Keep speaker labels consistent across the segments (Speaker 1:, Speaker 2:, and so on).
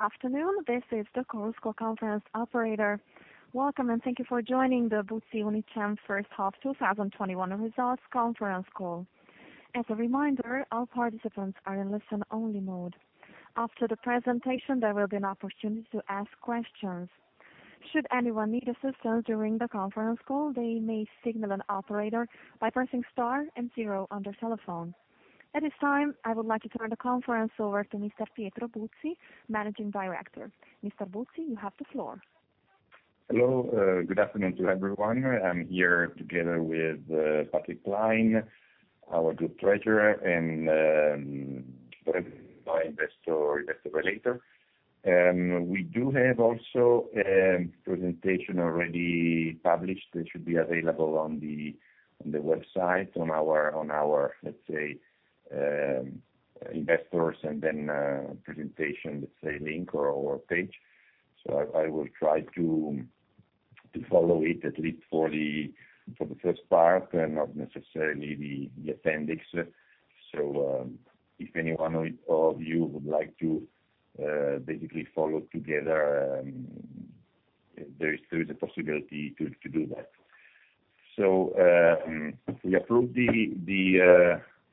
Speaker 1: Afternoon. Welcome, and thank you for joining the Buzzi Unicem First Half 2021 Results Conference Call. At this time, I would like to turn the conference over to Mr. Pietro Buzzi, Managing Director. Mr. Buzzi, you have the floor.
Speaker 2: Hello. Good afternoon to everyone. I'm here together with Patrick Klein, our group treasurer, and investor relator. We do have also a presentation already published that should be available on the website on our, let's say, investors and then presentation, let's say link or page. I will try to follow it at least for the first part, and not necessarily the appendix. If any one of you would like to basically follow together, there is a possibility to do that. We approved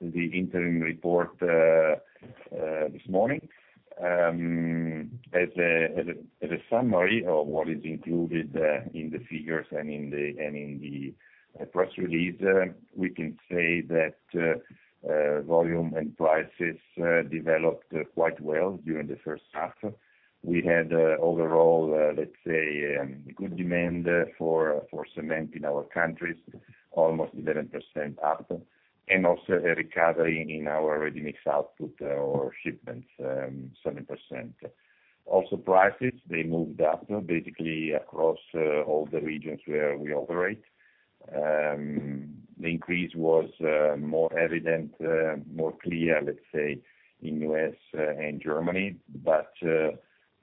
Speaker 2: the interim report this morning. As a summary of what is included in the figures and in the press release, we can say that volume and prices developed quite well during the first half. We had, overall, let's say good demand for cement in our countries, almost 11% up. Also a recovery in our ready-mix output or shipments, 7%. Also prices, they moved up, basically across all the regions where we operate. The increase was more evident, more clear, let's say in U.S. and Germany, but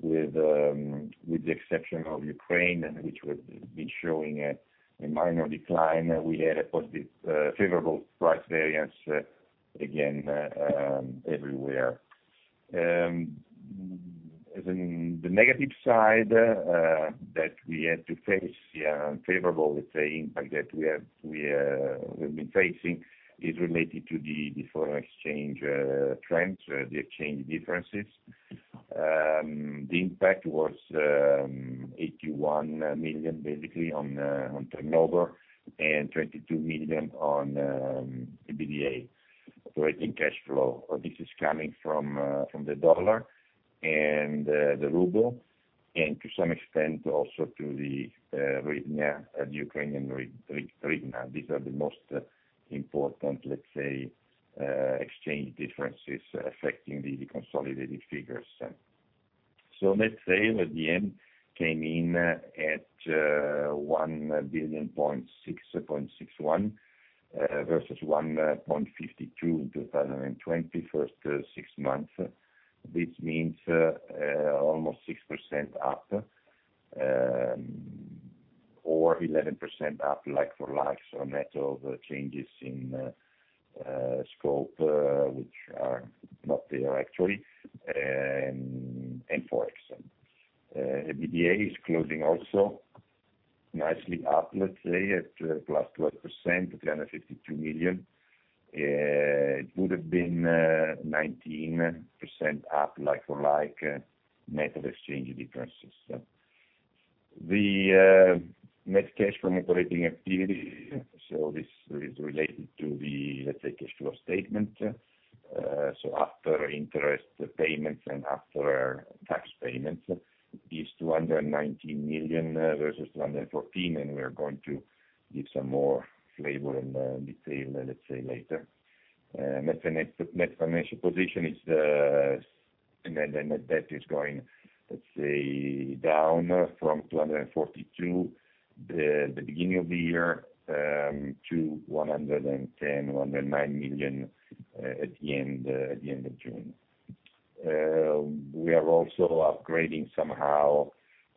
Speaker 2: with the exception of Ukraine, and which has been showing a minor decline, we had a positive favorable price variance again, everywhere. As in the negative side, that we had to face unfavorable, let's say, impact that we've been facing is related to the foreign exchange trends, the exchange differences. The impact was 81 million, basically on turnover and 22 million on the EBITDA operating cash flow. This is coming from the dollar and the ruble, and to some extent also to the Ukrainian hryvnia. These are the most important let's say, exchange differences affecting the consolidated figures. Net sales at the end came in at 1.61 billion, versus 1.52 billion in 2020 first six months. This means almost 6% up, or 11% up like for like, net of changes in scope, which are not there actually, and Forex. The EBITDA is closing also nicely up, let's say at +12%, 352 million. It would have been 19% up like for like, net of exchange differences. The net cash from operating activity, this is related to the, let's say, cash flow statement. After interest payments and after tax payments, is 219 million versus 214 million, and we are going to give some more flavor and detail, let's say later. The net debt is going, let's say down from 242 million the beginning of the year, to 110 million-109 million at the end of June. We are also upgrading somehow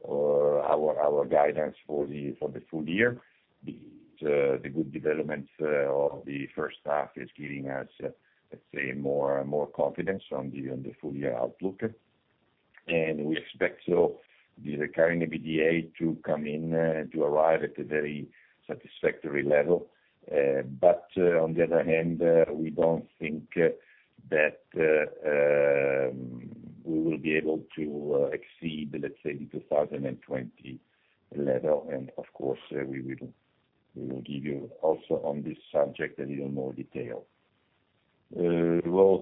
Speaker 2: our guidance for the full year. The good development of the first half is giving us, let's say more confidence on the full year outlook. We expect the recurring EBITDA to arrive at a very satisfactory level. On the other hand, we don't think that we will be able to exceed, let's say the 2020 level. Of course, we will give you also on this subject a little more detail.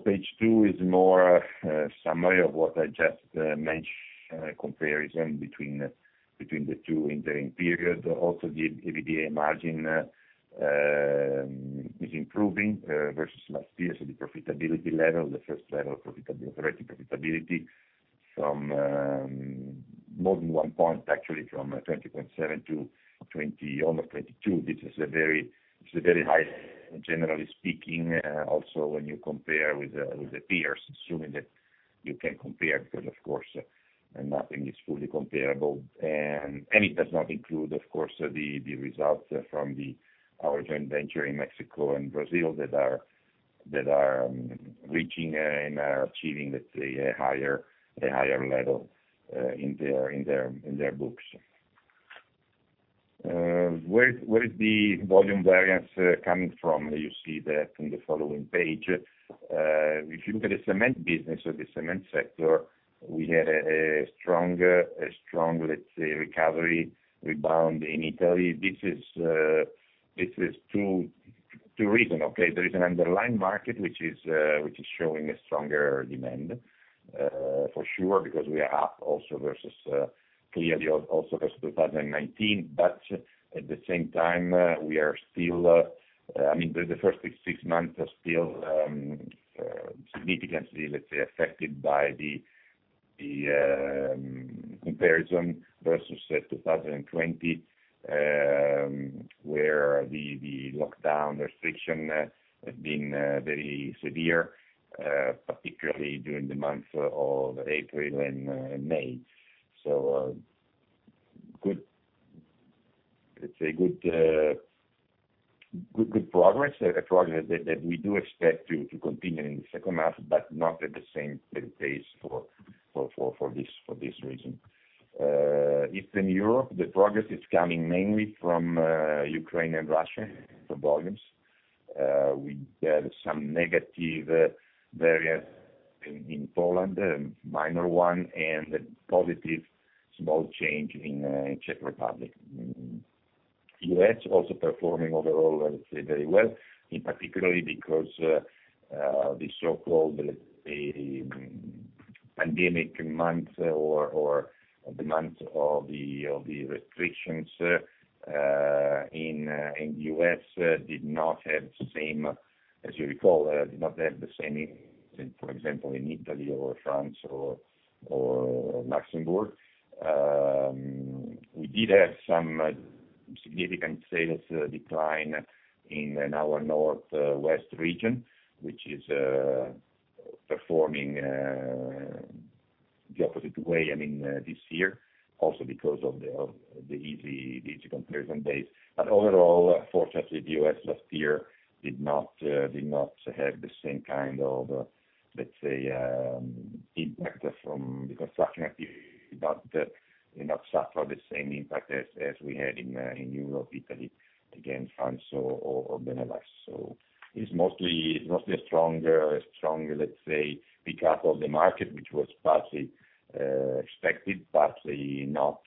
Speaker 2: Page two is more a summary of what I just mentioned, a comparison between the two interim periods. The EBITDA margin is improving, versus last year. The profitability level, the first level operating profitability from more than 1 point, actually from 20.7 to almost 22. This is very high, generally speaking, also when you compare with the peers, assuming that you can compare because of course, nothing is fully comparable. It does not include, of course, the results from our joint venture in Mexico and Brazil that are reaching and are achieving, let's say, a higher level in their books. Where is the volume variance coming from? You see that in the following page. If you look at the cement business or the cement sector, we had a strong, let's say, recovery, rebound in Italy. This is two reason, okay? There is an underlying market which is showing a stronger demand, for sure, because we are up also versus clearly also versus 2019. At the same time, the first six months are still significantly, let's say, affected by the comparison versus 2020, where the lockdown restriction has been very severe, particularly during the months of April and May. Let's say, good progress. A progress that we do expect to continue in the second half, not at the same pace for this reason. Eastern Europe, the progress is coming mainly from Ukraine and Russia, the volumes. We have some negative variance in Poland, a minor one, and a positive small change in Czech Republic. U.S. also performing overall, very well, in particularly because, the so-called, pandemic month or the month of the restrictions, in U.S. did not have the same, as you recall, did not have the same, for example, in Italy or France or Luxembourg. We did have some significant sales decline in our northwest region, which is performing the opposite way, I mean, this year, also because of the easy digital comparison base. Overall, fortunately, U.S. last year did not have the same kind of, let's say, impact from the construction activity, did not suffer the same impact as we had in Europe, Italy again, France or Benelux. It's mostly a stronger, let's say, pick up of the market, which was partly expected, partly not.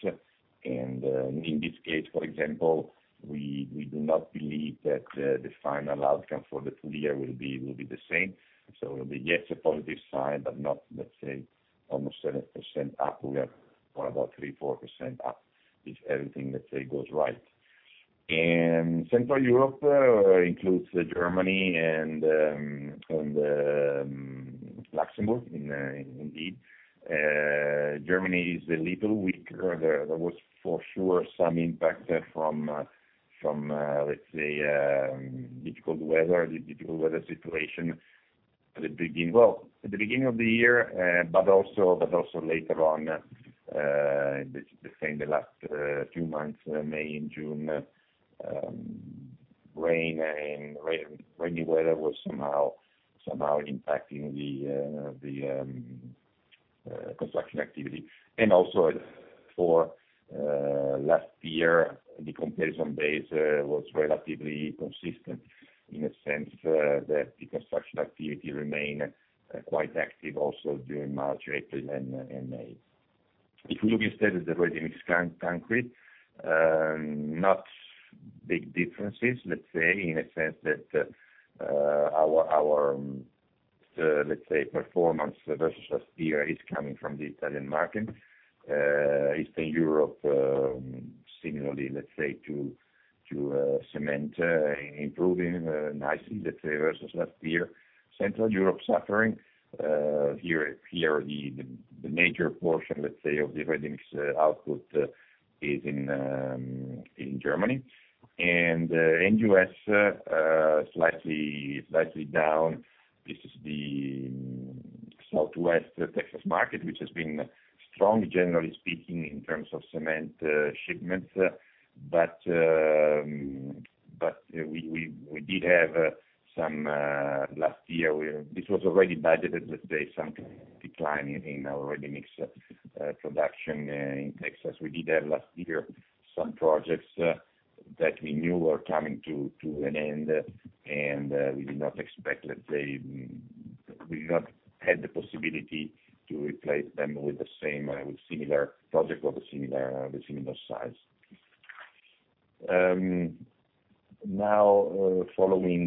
Speaker 2: In this case, for example, we do not believe that the final outcome for the full year will be the same. It will be, yes, a positive sign, but not, let's say, almost 7% up. We are about 3%-4% up, if everything, let's say, goes right. Central Europe includes Germany and Luxembourg, indeed. Germany is a little weaker there. There was for sure some impact from, let's say, difficult weather situation at the beginning of the year, but also later on, let's say, in the last two months, May and June. Rain and rainy weather was somehow impacting the construction activity. Also for last year, the comparison base was relatively consistent in a sense that the construction activity remained quite active also during March, April, and May. If we look instead at the ready-mix concrete, not big differences, let's say, in a sense that our, let's say, performance versus last year is coming from the Italian market. Eastern Europe, similarly, let's say, to cement, improving nicely, let's say, versus last year. Central Europe suffering. Here, the major portion, let's say, of the ready-mix output is in Germany. In U.S., slightly down. This is the Southwest Texas market, which has been strong, generally speaking, in terms of cement shipments. We did have some Last year, this was already budgeted, let's say, some decline in our ready-mix production in Texas. We did have last year, some projects that we knew were coming to an end, and we did not expect, let's say, we've not had the possibility to replace them with similar project of a similar size. Following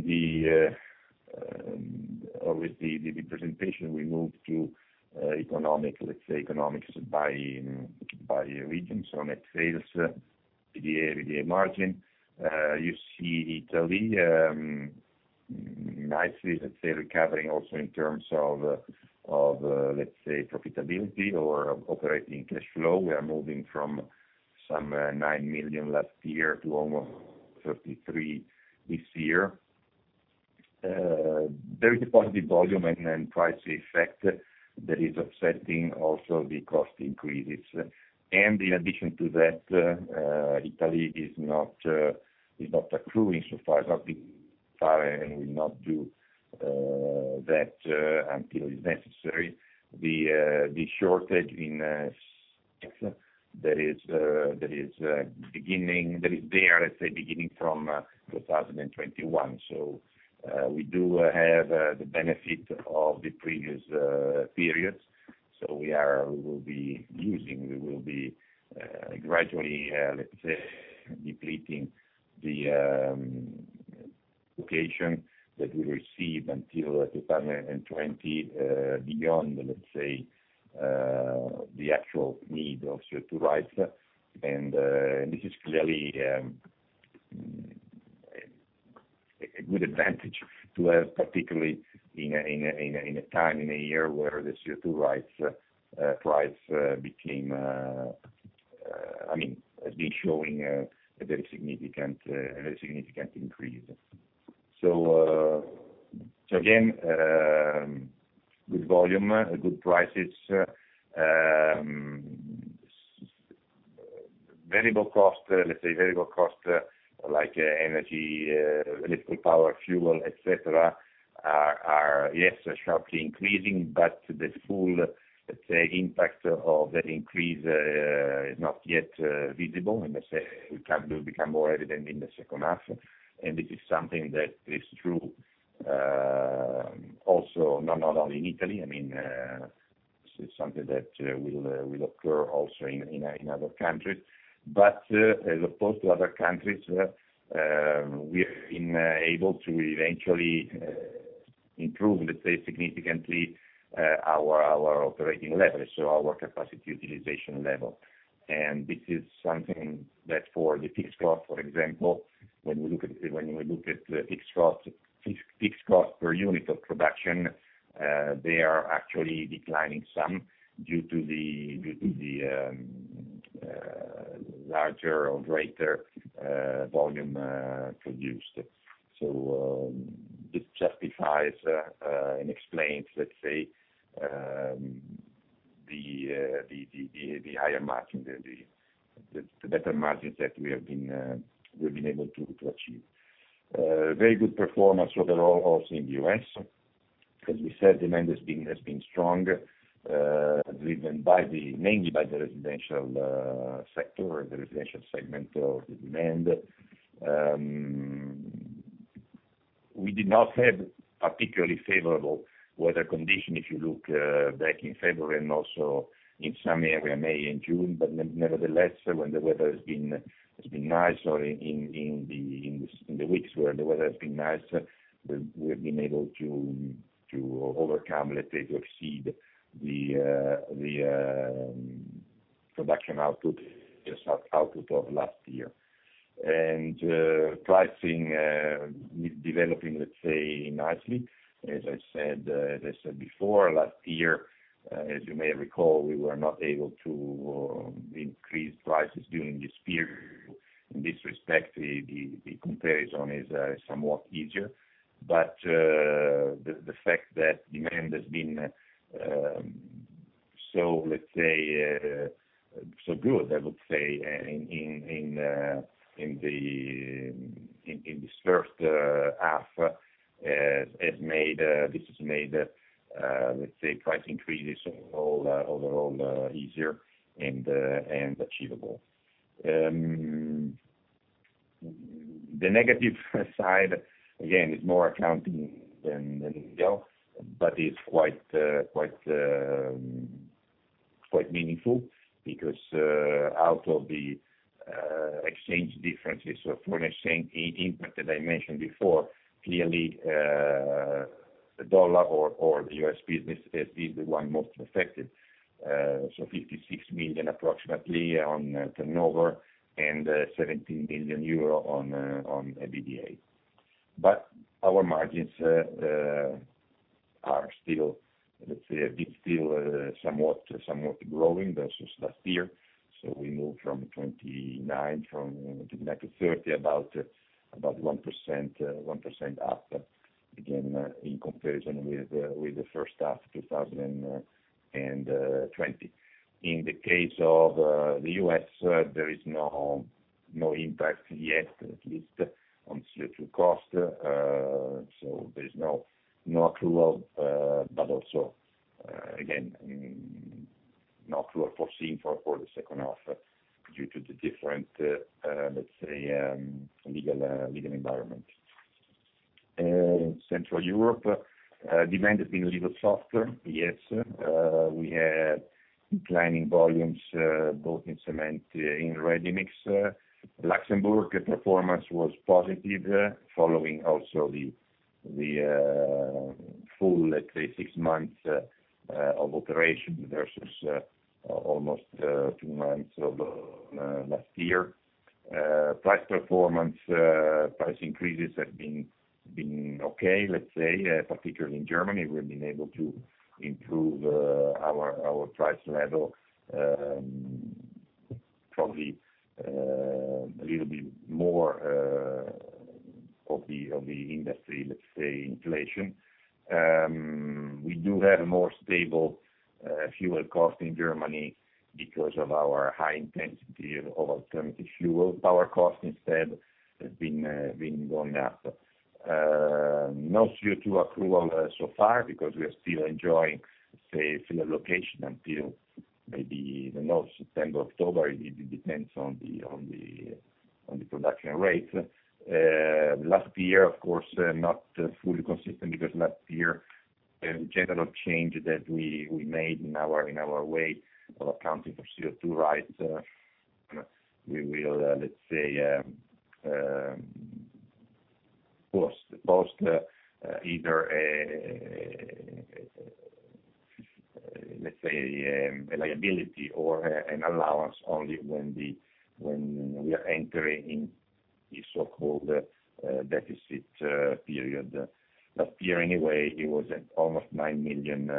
Speaker 2: with the presentation, we move to, let's say, economics by region. Net sales, EBITDA margin. You see Italy, nicely, let's say, recovering also in terms of, let's say, profitability or operating cash flow. We are moving from some 9 million last year to almost 33 million this year. There is a positive volume and price effect that is offsetting also the cost increases. In addition to that, Italy is not accruing so far, not theFar and will not do that until it's necessary. The shortage in that is there, let's say, beginning from 2021. We do have the benefit of the previous periods. We will be gradually, let's say, depleting the allocation that we receive until 2020, beyond, let's say, the actual need of CO2 rights. This is clearly a good advantage to have, particularly in a time, in a year where the CO2 rights price has been showing a very significant increase. Again, good volume, good prices. Variable cost, let's say, variable cost like energy, electrical power, fuel, et cetera, are, yes, sharply increasing, but the full, let's say, impact of that increase is not yet visible. Let's say, it will become more evident in the second half. This is something that is true also, not only in Italy, this is something that will occur also in other countries. As opposed to other countries, we have been able to eventually improve, let's say, significantly, our operating leverage, so our capacity utilization level. This is something that for the fixed cost, for example, when we look at fixed cost per unit of production, they are actually declining some due to the larger or greater volume produced. This justifies, and explains the higher margin, the better margins that we've been able to achieve. Very good performance overall also in the U.S. As we said, demand has been strong, driven mainly by the residential sector, the residential segment of the demand. We did not have particularly favorable weather condition if you look back in February and also in some area, May and June. Nevertheless, when the weather has been nice, or in the weeks where the weather has been nice, we have been able to overcome, let's say, to exceed the production output of last year. Pricing is developing, let's say, nicely. As I said before, last year, as you may recall, we were not able to increase prices during this period. In this respect, the comparison is somewhat easier. The fact that demand has been so good, I would say, in this first half, this has made, let's say, price increases overall easier and achievable. The negative side, again, is more accounting than real, but is quite meaningful, because out of the exchange differences or foreign exchange impact that I mentioned before, clearly, the dollar or the U.S. business has been the one most affected. $56 million approximately on turnover, and 17 million euro on EBITDA. Our margins are still somewhat growing versus last year. We moved from 29 back to 30, about 1% up, again, in comparison with the first half 2020. In the case of the U.S., there is no impact yet, at least on CO2 cost. There's no clue, but also, again, no clue of foreseen for the second half due to the different, let's say, legal environment. In Central Europe, demand has been a little softer. Yes. We had declining volumes, both in cement, in ready-mix. Luxembourg performance was positive, following also the full, let's say, six months of operation versus almost two months of last year. Price performance, price increases have been okay, let's say, particularly in Germany. We've been able to improve our price level, probably a little bit more of the industry, let's say, inflation. We do have a more stable fuel cost in Germany because of our high intensity of alternative fuel. Power cost, instead, has been going up. No CO2 accrual so far, because we are still enjoying free allocation until maybe, September, October. It depends on the production rate. Last year, of course, not fully consistent because last year, the general change that we made in our way of accounting for CO2 rights. We will, let's say, post either, let's say, a liability or an allowance only when we are entering in the so-called deficit period. Last year, anyway, it was at almost 9 million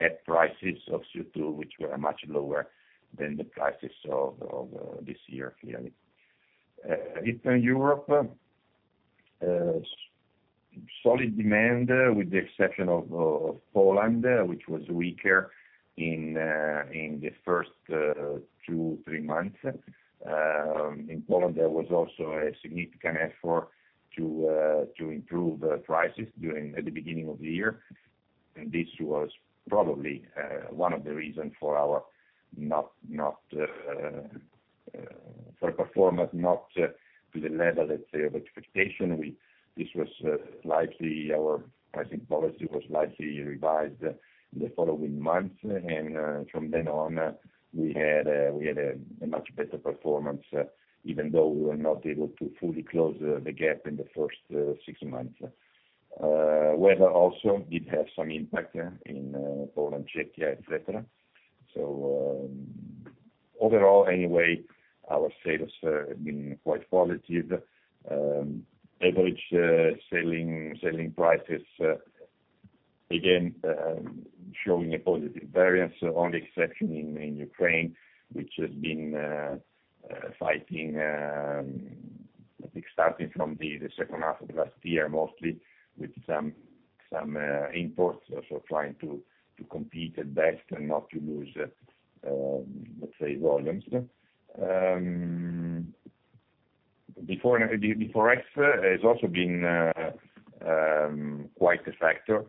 Speaker 2: at prices of CO2, which were much lower than the prices of this year, clearly. Eastern Europe, solid demand with the exception of Poland, which was weaker in the first two to three months. In Poland, there was also a significant effort to improve prices at the beginning of the year. This was probably one of the reason for our performance not to the level, let's say, of expectation. Our pricing policy was slightly revised in the following months, from then on, we had a much better performance, even though we were not able to fully close the gap in the first six months. Weather also did have some impact in Poland, Czechia, et cetera. Overall anyway, our sales have been quite positive. Average selling prices, again, showing a positive variance. Only exception in Ukraine, which has been fighting, I think, starting from the second half of last year, mostly with some imports, so trying to compete at best and not to lose, let's say, volumes. ForEx has also been quite a factor,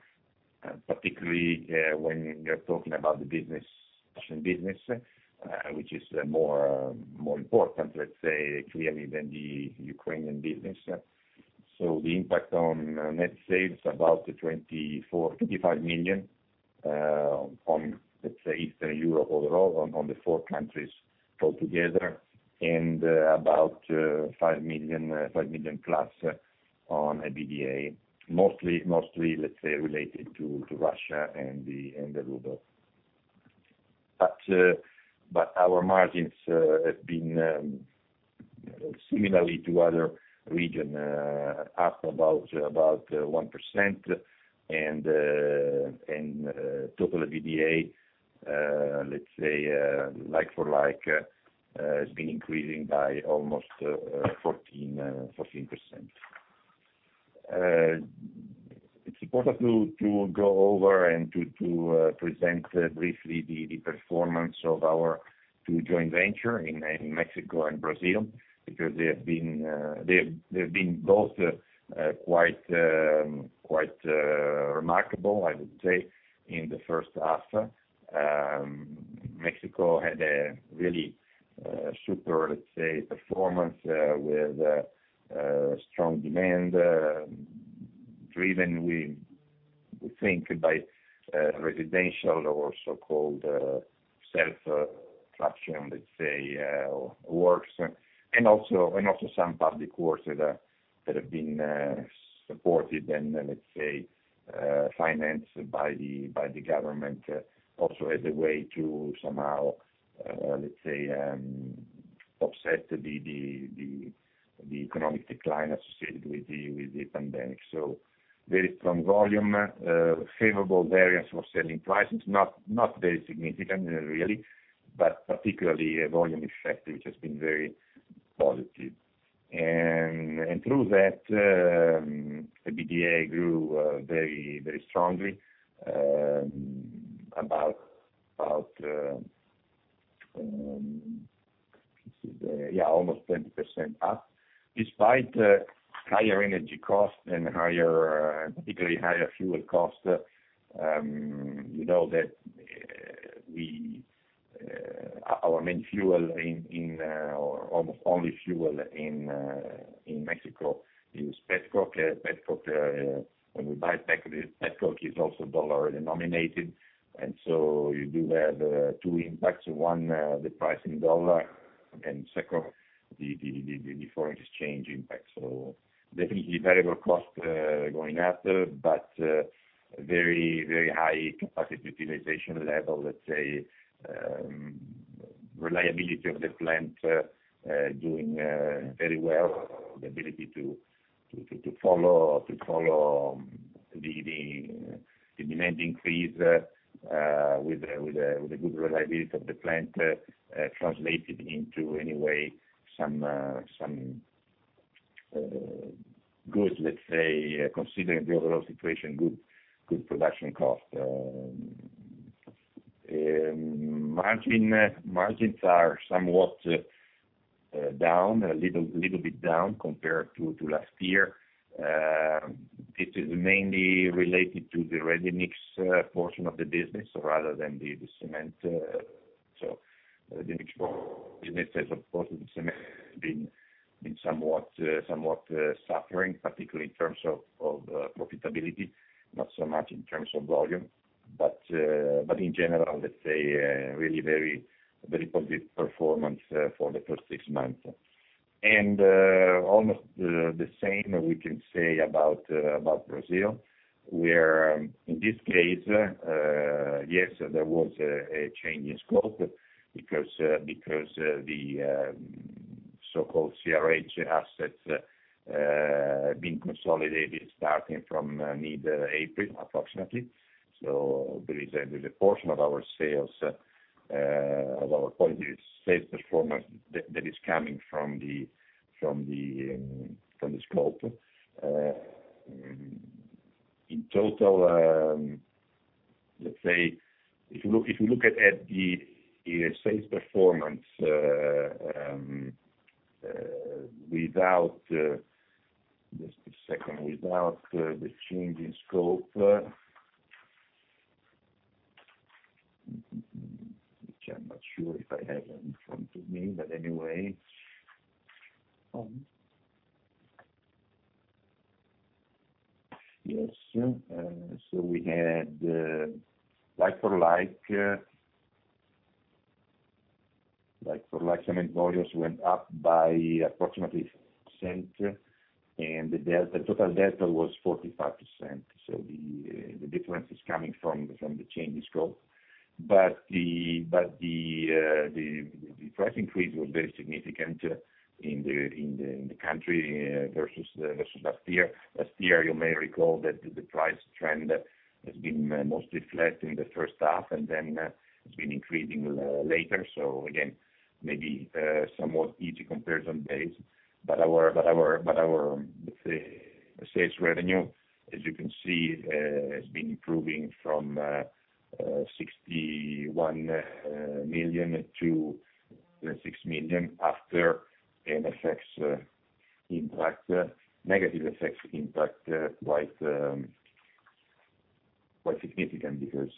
Speaker 2: particularly when we are talking about the Russian business, which is more important, let's say, clearly than the Ukrainian business. The impact on net sales, about 25 million, on, let's say, Eastern Europe overall, on the four countries altogether. About EUR 5 million+ on EBITDA, mostly, let's say, related to Russia and the ruble. Our margins have been similarly to other region, up about 1%, and total EBITDA, let's say like for like, has been increasing by almost 14%. It's important to go over and to present briefly the performance of our two joint venture in Mexico and Brazil, because they have been both quite remarkable, I would say, in the first half. Mexico had a really super, let's say, performance with strong demand, driven, we think, by residential or so-called self-traction, let's say, works, and also some public works that have been supported and, let's say, financed by the government. Also, as a way to somehow, let's say, offset the economic decline associated with the pandemic. Very strong volume, favorable variance of selling prices, not very significant, really, but particularly volume effect, which has been very positive. Through that, the EBITDA grew very strongly, about almost 20% up, despite higher energy costs and particularly higher fuel costs. You know that our main fuel, almost only fuel in Mexico is petcoke. Petcoke, when we buy petcoke, is also USD-denominated, you do have two impacts. one, the price in USD, and two, the foreign exchange impact. Definitely, variable cost going up, but very high capacity utilization level, let's say, reliability of the plant doing very well. The ability to follow the demand increase, with the good reliability of the plant, translated into some good, considering the overall situation, good production cost. Margins are somewhat down, a little bit down compared to last year. This is mainly related to the ready-mix portion of the business rather than the cement. The mix portion business has, of course, the cement has been somewhat suffering, particularly in terms of profitability, not so much in terms of volume. In general, let's say, a really very positive performance for the first six months. Almost the same we can say about Brazil, where, in this case, yes, there was a change in scope because the so-called CRH assets being consolidated starting from mid-April, approximately. There is a portion of our sales, of our quality sales performance that is coming from the scope. In total, let's say, if you look at the sales performance, just a second, without the change in scope. Which I'm not sure if I have it in front of me, but anyway. Yes. We had like for like cement volumes went up by approximately percent, and the total delta was 45%. The difference is coming from the change in scope. The price increase was very significant in the country versus last year. Last year, you may recall that the price trend has been mostly flat in the first half, and then it's been increasing later. Again, maybe a somewhat easy comparison base. Our sales revenue, as you can see, has been improving from EUR 61 million-EUR 6 million after an FX impact. Negative FX impact, quite significant because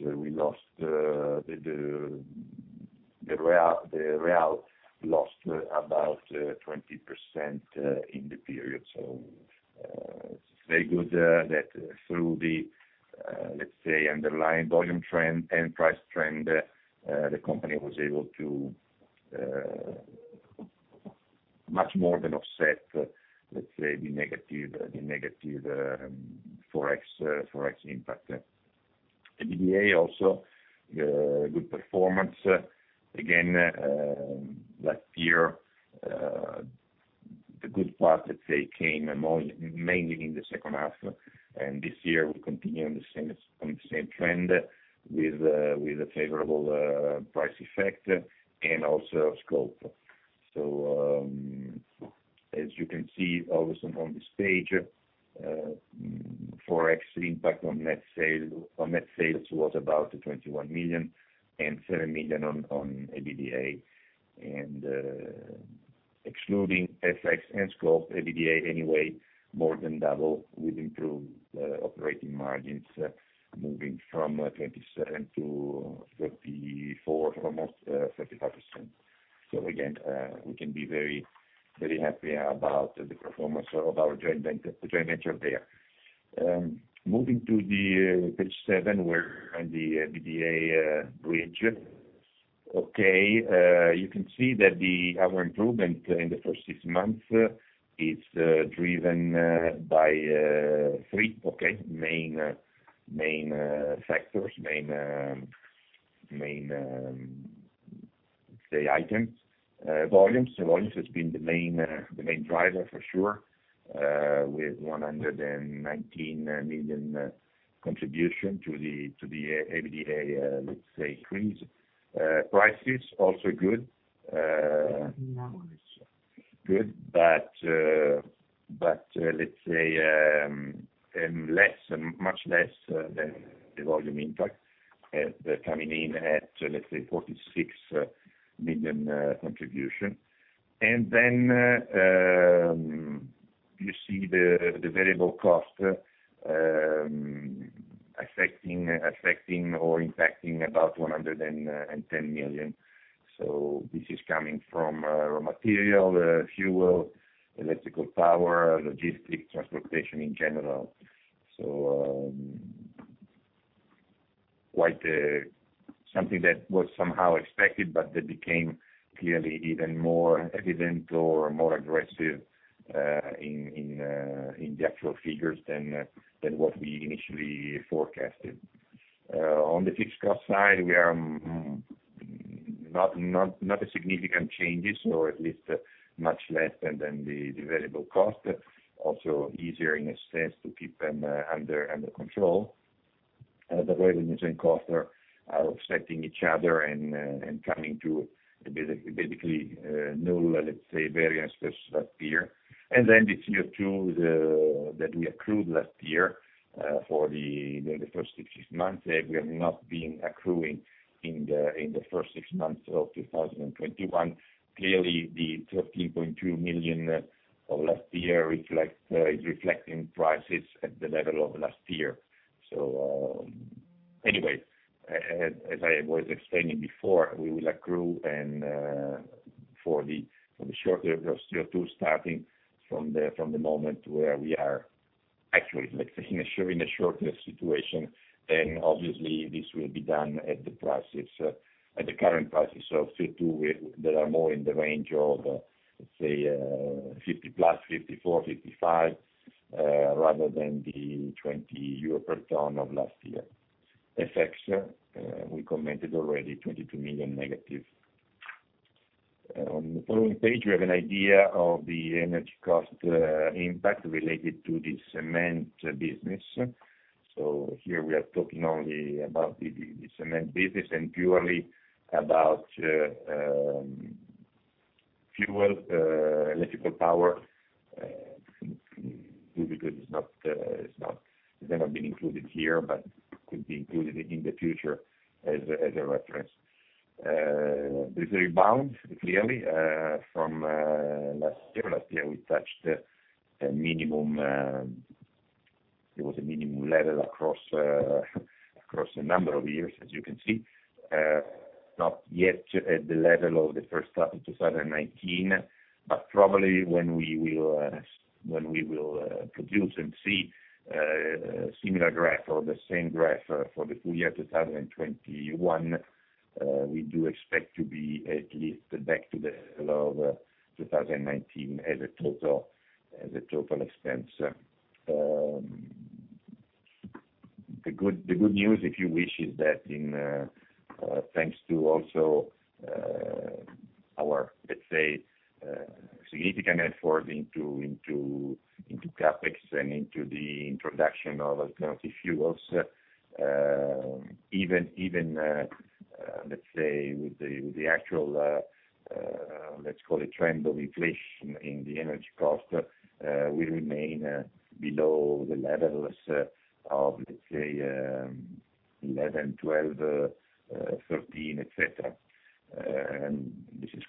Speaker 2: the real lost about 20% in the period. It's very good that through the underlying volume trend and price trend, the company was able to much more than offset, let's say, the negative ForEx impact. EBITDA also, good performance. Again, last year, the good part came mainly in the second half. This year we continue on the same trend with a favorable price effect and also scope. As you can see, obviously, on this page, ForEx impact on net sales was about 21 million and 7 million on EBITDA. Excluding FX and scope, EBITDA, anyway, more than double with improved operating margins, moving from 27% to 34%, almost 35%. Again, we can be very happy about the performance of our joint venture there. Moving to page seven, we're on the EBITDA bridge. Okay. You can see that our improvement in the first six months is driven by three main factors, main items. Volumes. Volumes has been the main driver for sure, with 119 million contribution to the EBITDA increase. Prices, also good. Let's say, much less than the volume impact, coming in at 46 million contribution. You see the variable cost affecting or impacting about 110 million. This is coming from raw material, fuel, electrical power, logistics, transportation in general. Something that was somehow expected, but that became clearly even more evident or more aggressive in the actual figures than what we initially forecasted. On the fixed cost side, we are not significant changes, or at least much less than the variable cost. Also easier, in a sense, to keep them under control. The revenue and cost are offsetting each other and coming to basically null, let's say, variance versus last year. The CO2 that we accrued last year for the first six months, we have not been accruing in the first six months of 2021. Clearly, the 13.2 million of last year is reflecting prices at the level of last year. Anyway, as I was explaining before, we will accrue and for the shorter CO2, starting from the moment where we are actually in a shortness situation, then obviously this will be done at the current prices of CO2, that are more in the range of, let's say, 50+, 54, 55, rather than the 20 euro per ton of last year. FX, we commented already 22 million negative. On the following page, we have an idea of the energy cost impact related to the cement business. Here we are talking only about the cement business and purely about fuel, electrical power. Nuclear is not included here, but could be included in the future as a reference. There's a rebound, clearly, from last year. Last year, we touched a minimum. There was a minimum level across a number of years, as you can see. Not yet at the level of the first half of 2019, but probably when we will produce and see a similar graph or the same graph for the full year 2021, we do expect to be at least back to the level of 2019 as a total expense. The good news, if you wish, is that in thanks to also our, let's say, significant effort into CapEx and into the introduction of alternative fuels. Even, let's say, with the actual, let's call it trend of inflation in the energy cost, we remain below the levels of, let's say, 11, 12, 13, et cetera. This is,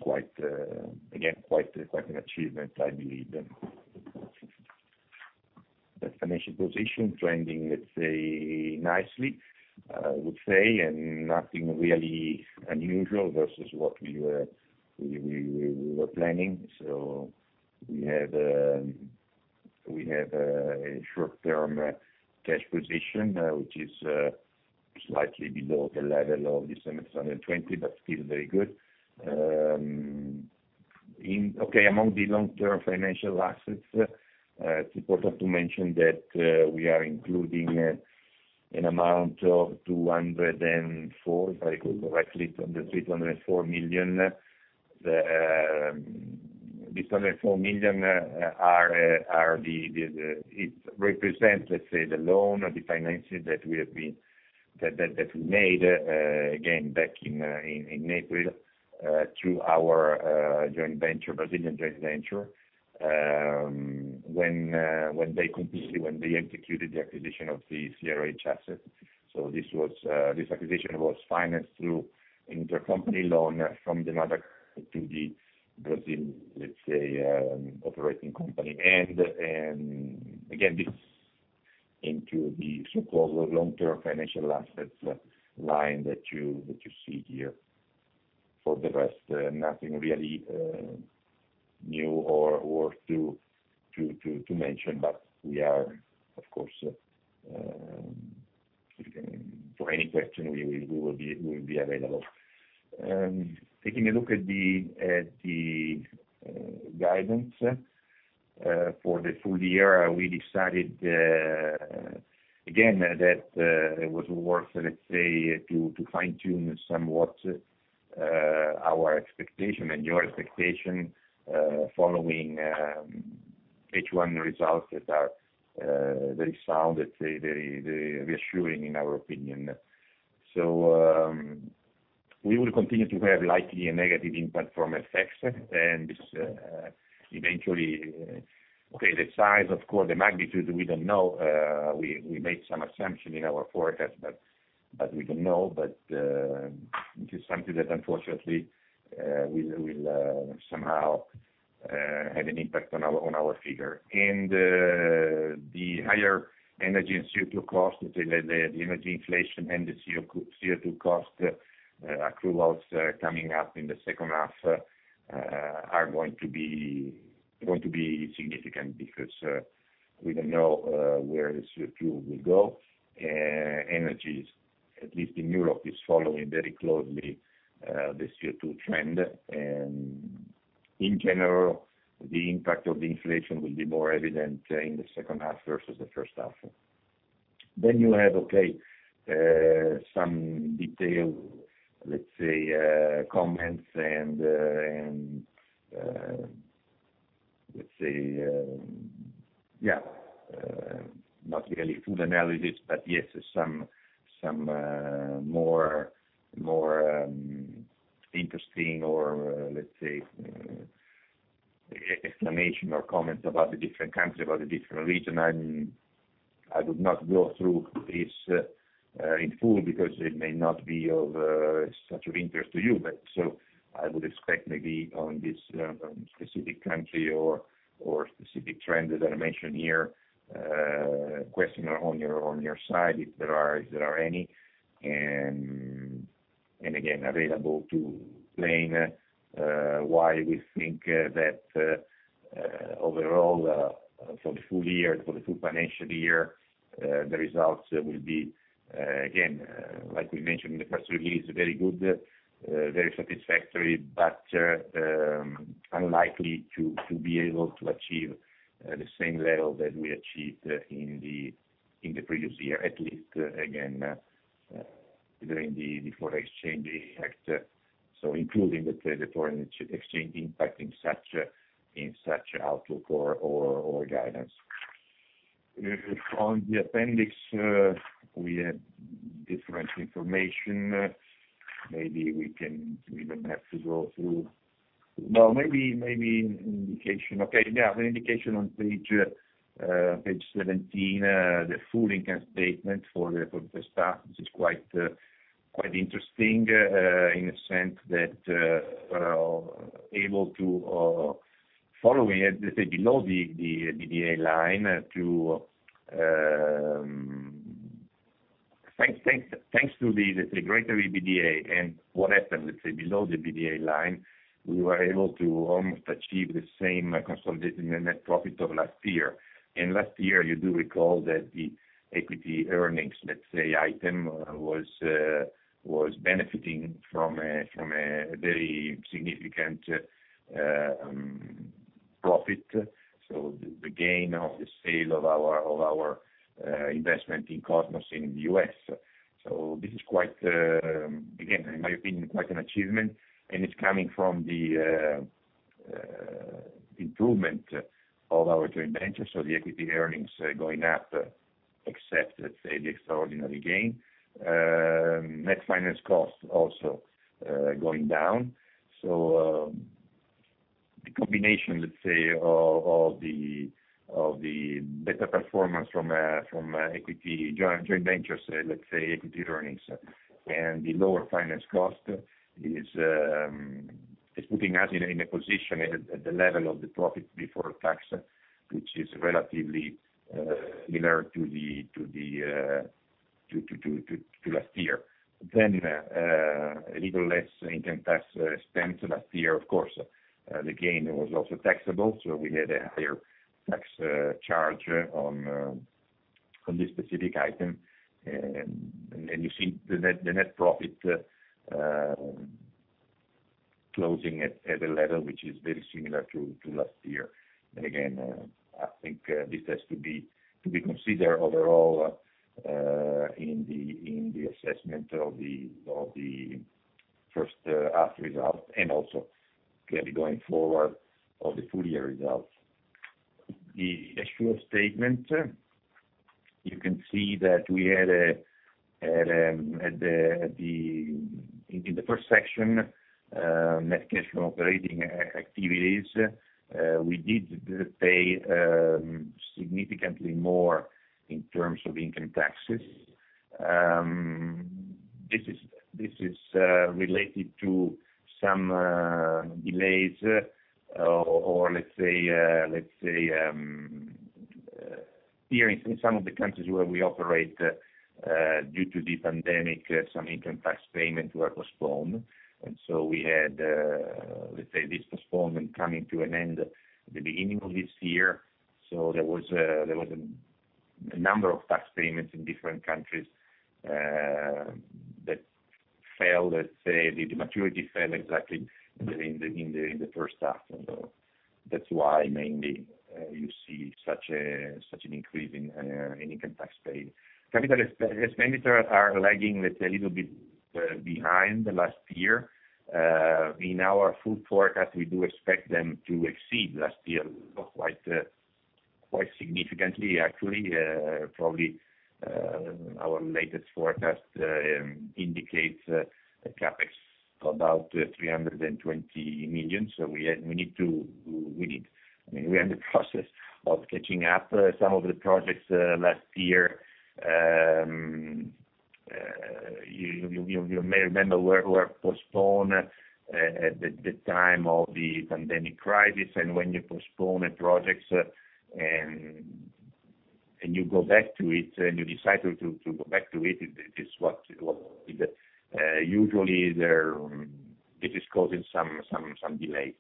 Speaker 2: again, quite an achievement, I believe. The financial position trending, let's say, nicely, I would say. Nothing really unusual versus what we were planning. We have a short-term cash position, which is slightly below the level of December 2020, but still very good. Among the long-term financial assets, it's important to mention that we are including an amount of 204 million, if I recall correctly, 203 million, 204 million. The 204 million, it represents the loan or the financing that we made, again, back in April through our Brazilian joint venture, when they completed, when they executed the acquisition of the CRH asset. This acquisition was financed through intercompany loan from the mother to the Brazil operating company. Again, this into the so-called long-term financial assets line that you see here. For the rest, nothing really new or to mention, but we are, of course, for any question, we will be available. Taking a look at the guidance for the full year, we decided, again, that it was worth, let's say, to fine tune somewhat our expectation and your expectation, following H1 results that are very sound, let's say, very reassuring in our opinion. We will continue to have likely a negative impact from FX, and eventually Okay, the size, of course, the magnitude, we don't know. We made some assumption in our forecast, but we don't know. This is something that, unfortunately, will somehow have an impact on our figure. The higher energy and CO2 cost, the energy inflation, and the CO2 cost accruals coming up in the second half are going to be significant, because we don't know where the CO2 will go. Energy, at least in Europe, is following very closely the CO2 trend. In general, the impact of the inflation will be more evident in the second half versus the first half. You have some detail, let's say comments and not really full analysis, but some more interesting, or let's say, explanation or comments about the different countries, about the different region. I would not go through this in full because it may not be of such an interest to you, but I would expect maybe on this specific country or specific trend that I mentioned here, question on your side, if there are any. Again, available to explain why we think that overall, for the full financial year, the results will be, again, like we mentioned in the first release, very good, very satisfactory, but unlikely to be able to achieve the same level that we achieved in the previous year, at least, again during the foreign exchange impact. Including the foreign exchange impact in such outlook or guidance. On the appendix, we have different information. Maybe we don't have to go through. No, maybe an indication. Okay. Yeah. An indication on page 17, the full income statement for the half, which is quite interesting in a sense that we are able to follow, let's say, below the EBITDA line. Thanks to the, let's say, greater EBITDA and what happened, let's say below the EBITDA line, we were able to almost achieve the same consolidated net profit of last year. Last year, you do recall that the equity earnings, let's say, item was benefiting from a very significant profit. The gain of the sale of our investment in Kosmos in the U.S. This is, again, in my opinion, quite an achievement, and it's coming from the improvement of our joint ventures. The equity earnings going up, except, let's say, the extraordinary gain. Net finance cost also going down. The combination of the better performance from equity joint ventures, let's say equity earnings. The lower finance cost is putting us in a position at the level of the profit before tax, which is relatively similar to last year. A little less income tax spent last year. Of course, the gain was also taxable, so we had a higher tax charge on this specific item. You see the net profit closing at a level which is very similar to last year. Again, I think this has to be considered overall in the assessment of the first half results and also clearly going forward of the full-year results. The actual statement, you can see that in the first section, cash from operating activities, we did pay significantly more in terms of income taxes. This is related to some delays or let's say, here in some of the countries where we operate, due to the pandemic, some income tax payments were postponed. We had, let's say, this postponement coming to an end at the beginning of this year. There was a number of tax payments in different countries that the maturity fell exactly in the first half. That's why mainly you see such an increase in income tax paid. Capital expenditures are lagging, let's say, a little bit behind last year. In our full forecast, we do expect them to exceed last year quite significantly actually. Probably, our latest forecast indicates a CapEx of about 320 million. We are in the process of catching up some of the projects last year. You may remember were postponed at the time of the pandemic crisis. When you postpone projects, and you decide to go back to it, usually this is causing some delay,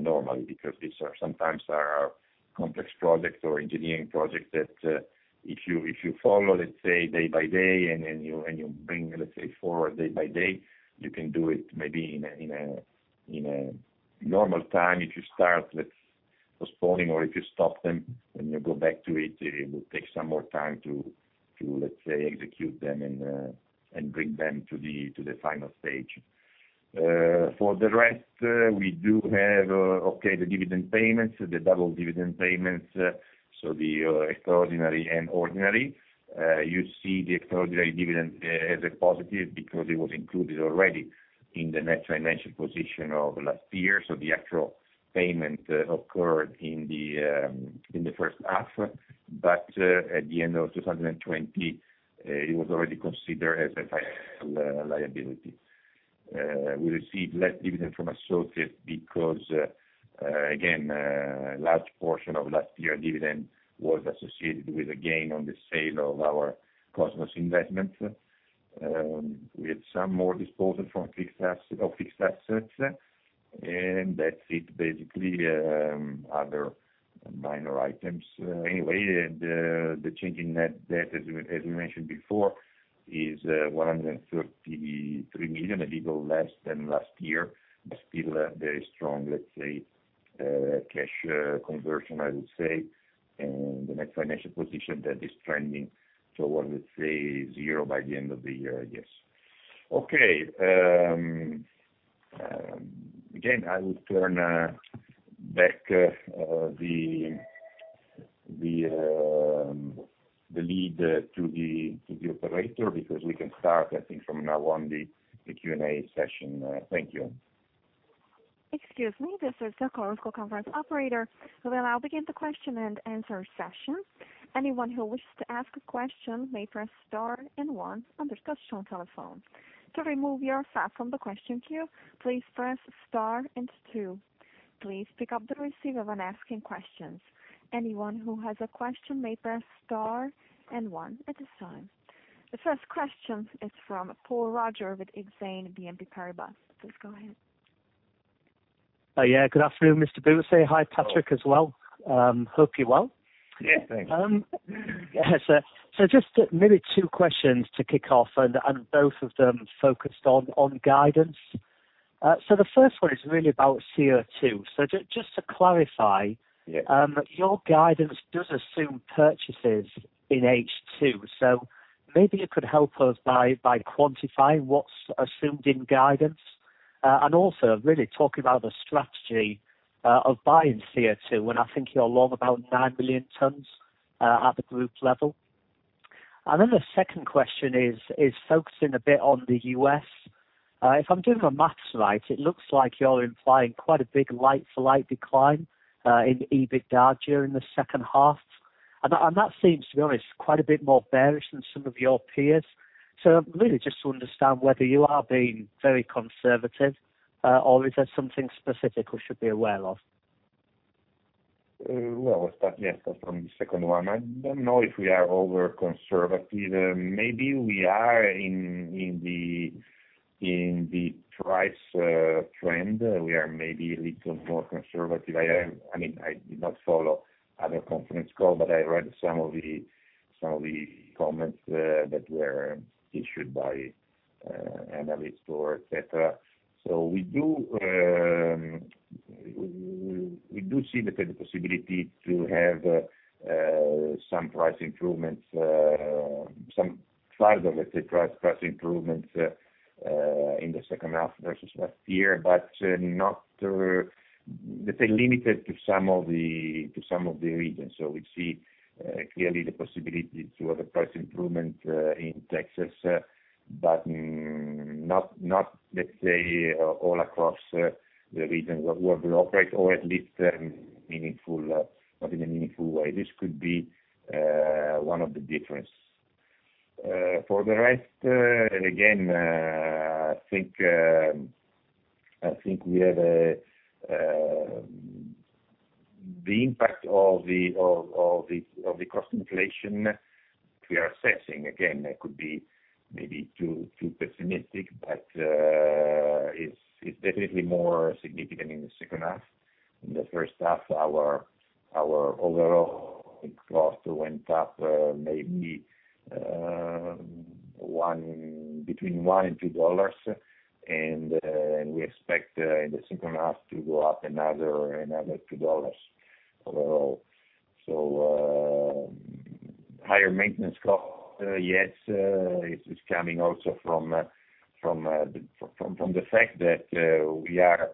Speaker 2: normally. These are sometimes are complex projects or engineering projects that if you follow day by day, and you bring forward day by day, you can do it maybe in a normal time. If you start, let's say, postponing, or if you stop them, when you go back to it will take some more time to, let's say, execute them and bring them to the final stage. For the rest, we do have, okay, the dividend payments, the double dividend payments, so the extraordinary and ordinary. You see the extraordinary dividend as a positive because it was included already in the net financial position of last year, so the actual payment occurred in the first half. At the end of 2020, it was already considered as a final liability. We received less dividend from associates because, again, large portion of last year's dividend was associated with a gain on the sale of our Kosmos investment. We had some more disposal of fixed assets, and that's it, basically. Other minor items. The change in net debt, as we mentioned before, is 133 million, a little less than last year, but still a very strong, let's say, cash conversion, I would say. The net financial position, that is trending toward, let's say, zero by the end of the year, I guess. Okay. I would turn back the lead to the operator, because we can start, I think, from now on the Q&A session. Thank you.
Speaker 1: Excuse me, this is the conference call conference operator. We'll now begin the question and answer session. Anyone who wishes to ask a question may press star and one on their touch-tone telephone. To remove yourself from the question queue, please press star and two. Please pick up the receiver when asking questions. Anyone who has a question may press star and one at this time. The first question is from Paul Roger with Exane BNP Paribas. Please go ahead.
Speaker 3: Good afternoon, Mr. Buzzi. Hi, Patrick, as well. Hope you're well.
Speaker 2: Yeah, thanks.
Speaker 3: Just maybe two questions to kick off, and both of them focused on guidance. The first one is really about CO2. Just to clarify.
Speaker 2: Yeah
Speaker 3: Your guidance does assume purchases in H2, so maybe you could help us by quantifying what's assumed in guidance, and also really talking about the strategy of buying CO2, when I think you're long about 9 million tons at the group level. The second question is focusing a bit on the U.S. If I'm doing my math right, it looks like you're implying quite a big like-for-like decline in EBITDA during the second half. That seems to be, honestly, quite a bit more bearish than some of your peers. Really just to understand whether you are being very conservative, or is there something specific we should be aware of?
Speaker 2: Well, we'll start, yes, from the second one. I don't know if we are over conservative. Maybe we are in the price trend, we are maybe a little more conservative. I did not follow other conference call, but I read some of the comments that were issued by analysts or et cetera. We do see the possibility to have some price improvements, some further, let's say, price improvements, in the second half versus last year, but let's say limited to some of the regions. We see clearly the possibility to have a price improvement in Texas, but not, let's say, all across the regions where we operate, or at least not in a meaningful way. This could be one of the differences. For the rest, again, I think we have the impact of the cost inflation we are assessing. I could be maybe too pessimistic, it's definitely more significant in the second half. In the first half, our overall cost went up maybe between $1 and $2, we expect in the second half to go up another $2 overall. Higher maintenance cost, yes. It's coming also from the fact that we are,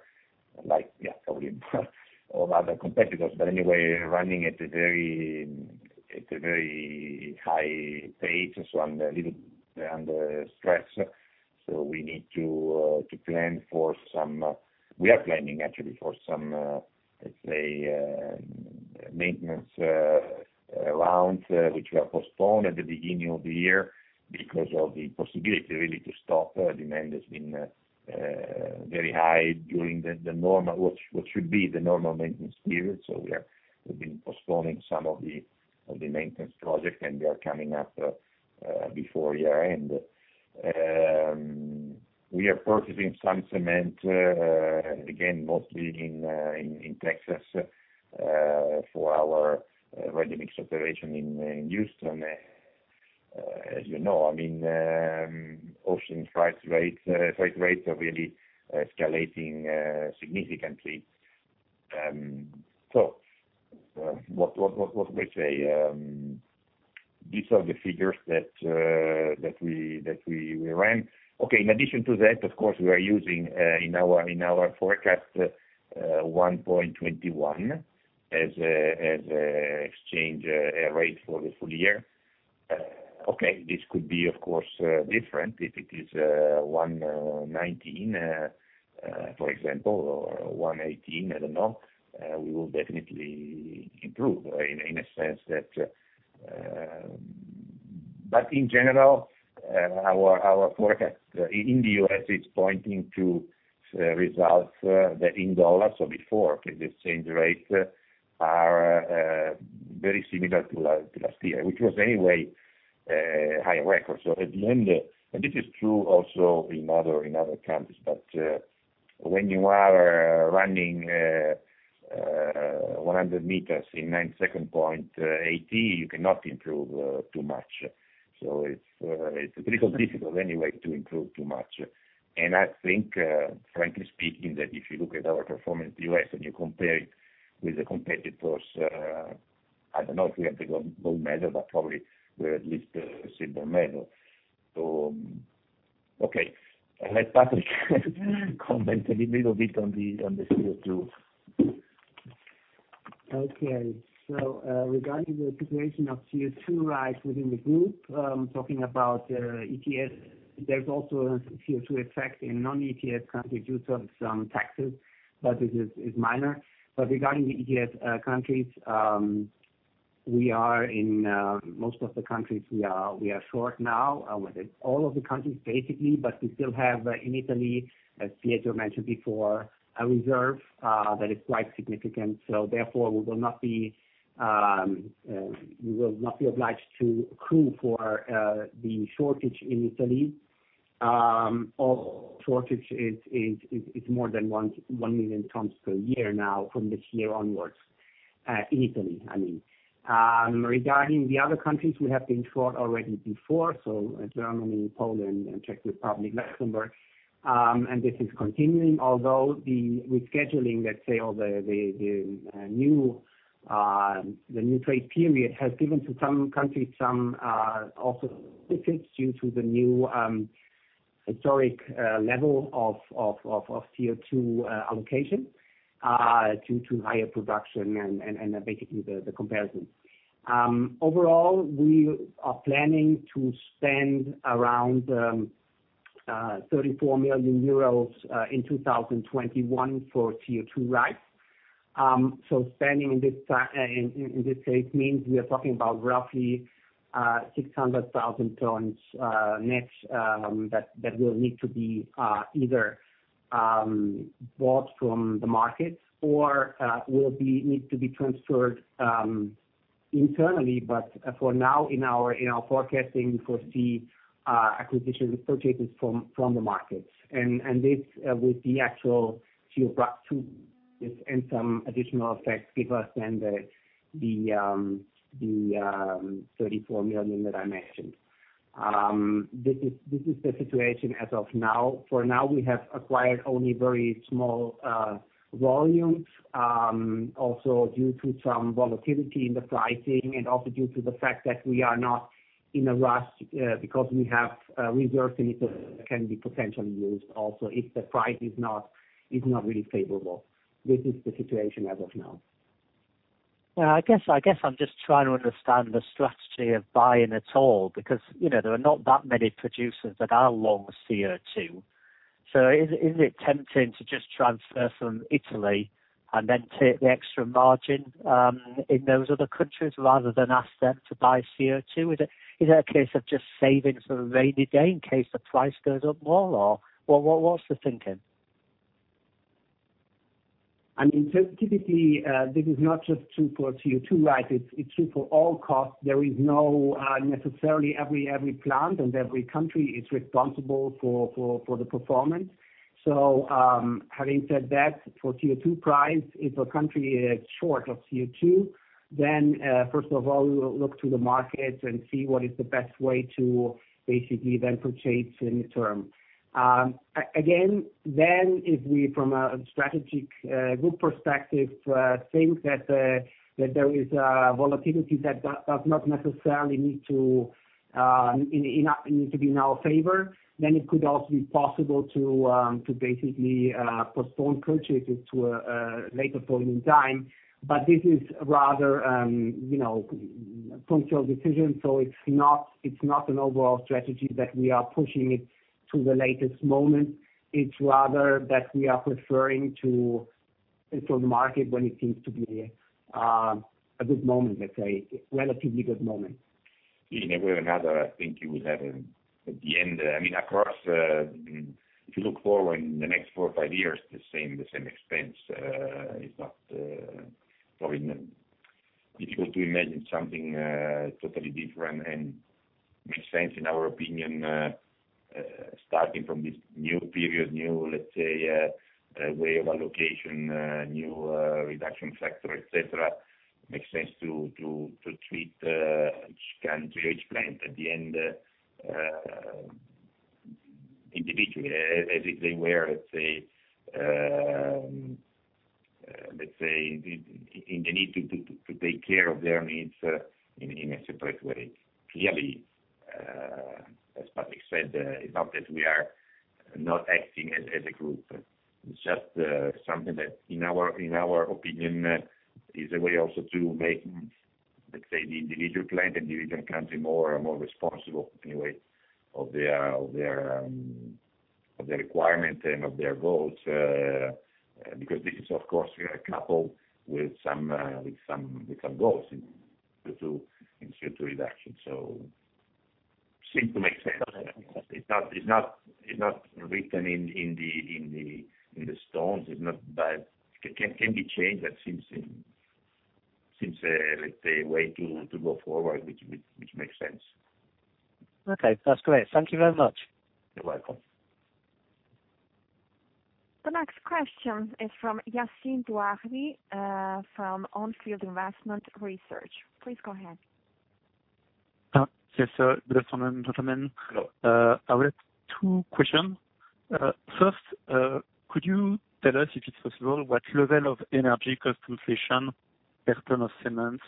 Speaker 2: like probably all other competitors, anyway, running at a very high pace, under a little stress. We are planning actually for some, let's say, maintenance rounds, which were postponed at the beginning of the year because of the possibility, really, to stop. Demand has been very high during what should be the normal maintenance period, we've been postponing some of the maintenance projects, they are coming up before year end. We are purchasing some cement, again, mostly in Texas, for our ready-mix operation in Houston. As you know, ocean freight rates are really escalating significantly. What can I say? These are the figures that we ran. In addition to that, of course, we are using in our forecast 1.21 as exchange rate for the full year. This could be, of course, different if it is 1.19, for example, or 1.18, I don't know. In general, our forecast in the U.S. is pointing to results that in dollars, so before, because the exchange rates are very similar to last year, which was anyway, high record. At the end this is true also in other countries, but when you are running 100m in 9.80 seconds, you cannot improve too much. It's a little difficult anyway to improve too much. I think, frankly speaking, that if you look at our performance in the U.S. and you compare it with the competitors, I don't know if we have the gold medal, but probably we are at least silver medal. Okay. Let Patrick comment a little bit on the CO2.
Speaker 4: Okay. Regarding the preparation of CO2 rise within the group, talking about ETS, there's also a CO2 effect in non-ETS countries due to some taxes, but it is minor. Regarding the ETS countries, most of the countries we are short now, all of the countries basically, but we still have in Italy, as Pietro mentioned before, a reserve that is quite significant. Therefore, we will not be obliged to accrue for the shortage in Italy. Our shortage is more than 1 million tons per year now from this year onwards, in Italy, I mean. Regarding the other countries, we have been short already before, so Germany, Poland, and Czech Republic, Luxembourg, and this is continuing. Although the rescheduling, let's say, or the new trade period has given to some countries some also benefits due to the new historic level of CO2 allocation, due to higher production and basically the comparison. Overall, we are planning to spend around 34 million euros in 2021 for CO2 rights. Spending in this case means we are talking about roughly 600,000 tons net that will need to be either bought from the market or will need to be transferred internally. For now, in our forecasting, we foresee acquisitions associated from the market. This with the actual CO2 and some additional effects give us then the 34 million that I mentioned. This is the situation as of now. For now, we have acquired only very small volumes, also due to some volatility in the pricing and also due to the fact that we are not in a rush because we have reserves in Italy that can be potentially used also if the price is not really favorable. This is the situation as of now.
Speaker 3: I guess I'm just trying to understand the strategy of buying at all, because there are not that many producers that are long CO2. Is it tempting to just transfer from Italy and then take the extra margin in those other countries rather than ask them to buy CO2? Is it a case of just saving for a rainy day in case the price goes up more or what's the thinking?
Speaker 4: Typically, this is not just true for CO2, right? It is true for all costs. There is no necessarily every plant and every country is responsible for the performance. Having said that, for CO2 price, if a country is short of CO2, then first of all, we will look to the market and see what is the best way to basically then purchase in term. Again, if we, from a strategic group perspective, think that there is a volatility that does not necessarily need to be in our favor, then it could also be possible to basically postpone purchases to a later point in time. This is rather a functional decision, so it is not an overall strategy that we are pushing it to the latest moment. It's rather that we are preferring to enter the market when it seems to be a good moment, let's say, a relatively good moment.
Speaker 2: In a way or another, I think you will have at the end. If you look forward in the next four or five years, the same expense. It's not probably difficult to imagine something totally different and makes sense, in our opinion. Starting from this new period, new, let's say, way of allocation, new reduction factor, et cetera, makes sense to treat each country, each plant at the end individually as if they were, let's say, in the need to take care of their needs in a separate way. As Patrick said, it's not that we are not acting as a group. It's just something that, in our opinion, is a way also to make, let's say, the individual plant and individual country more and more responsible anyway of their requirement and of their goals. This is, of course, coupled with some goals in CO2 reduction, so seems to make sense. It's not written in stone. It can be changed. It seems a way to go forward, which makes sense.
Speaker 3: Okay, that's great. Thank you very much.
Speaker 2: You're welcome.
Speaker 1: The next question is from Yassine Touahri from On Field Investment Research. Please go ahead.
Speaker 5: Yes, sir. Good afternoon, gentlemen.
Speaker 2: Hello.
Speaker 5: I have two questions. First, could you tell us, if it's possible, what level of energy cost inflation per ton of cement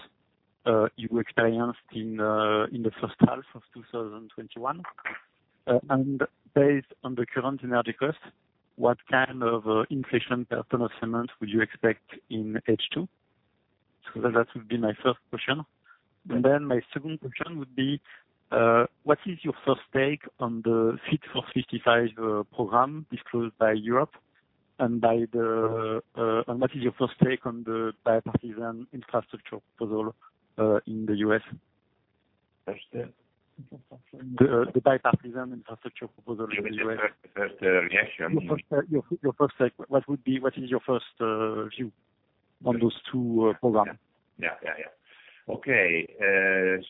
Speaker 5: you experienced in the first half of 2021? Based on the current energy cost, what kind of inflation per ton of cement would you expect in H2? That would be my first question.
Speaker 2: Yeah.
Speaker 5: My second question would be, what is your first take on the Fit for 55 program disclosed by Europe, and what is your first take on the Bipartisan Infrastructure Law in the U.S.?
Speaker 2: What's the infrastructure?
Speaker 5: The Bipartisan Infrastructure Law in the U.S.
Speaker 2: You mean just first reaction?
Speaker 5: Your first take. What is your first view on those two programs?
Speaker 2: Yeah. Okay.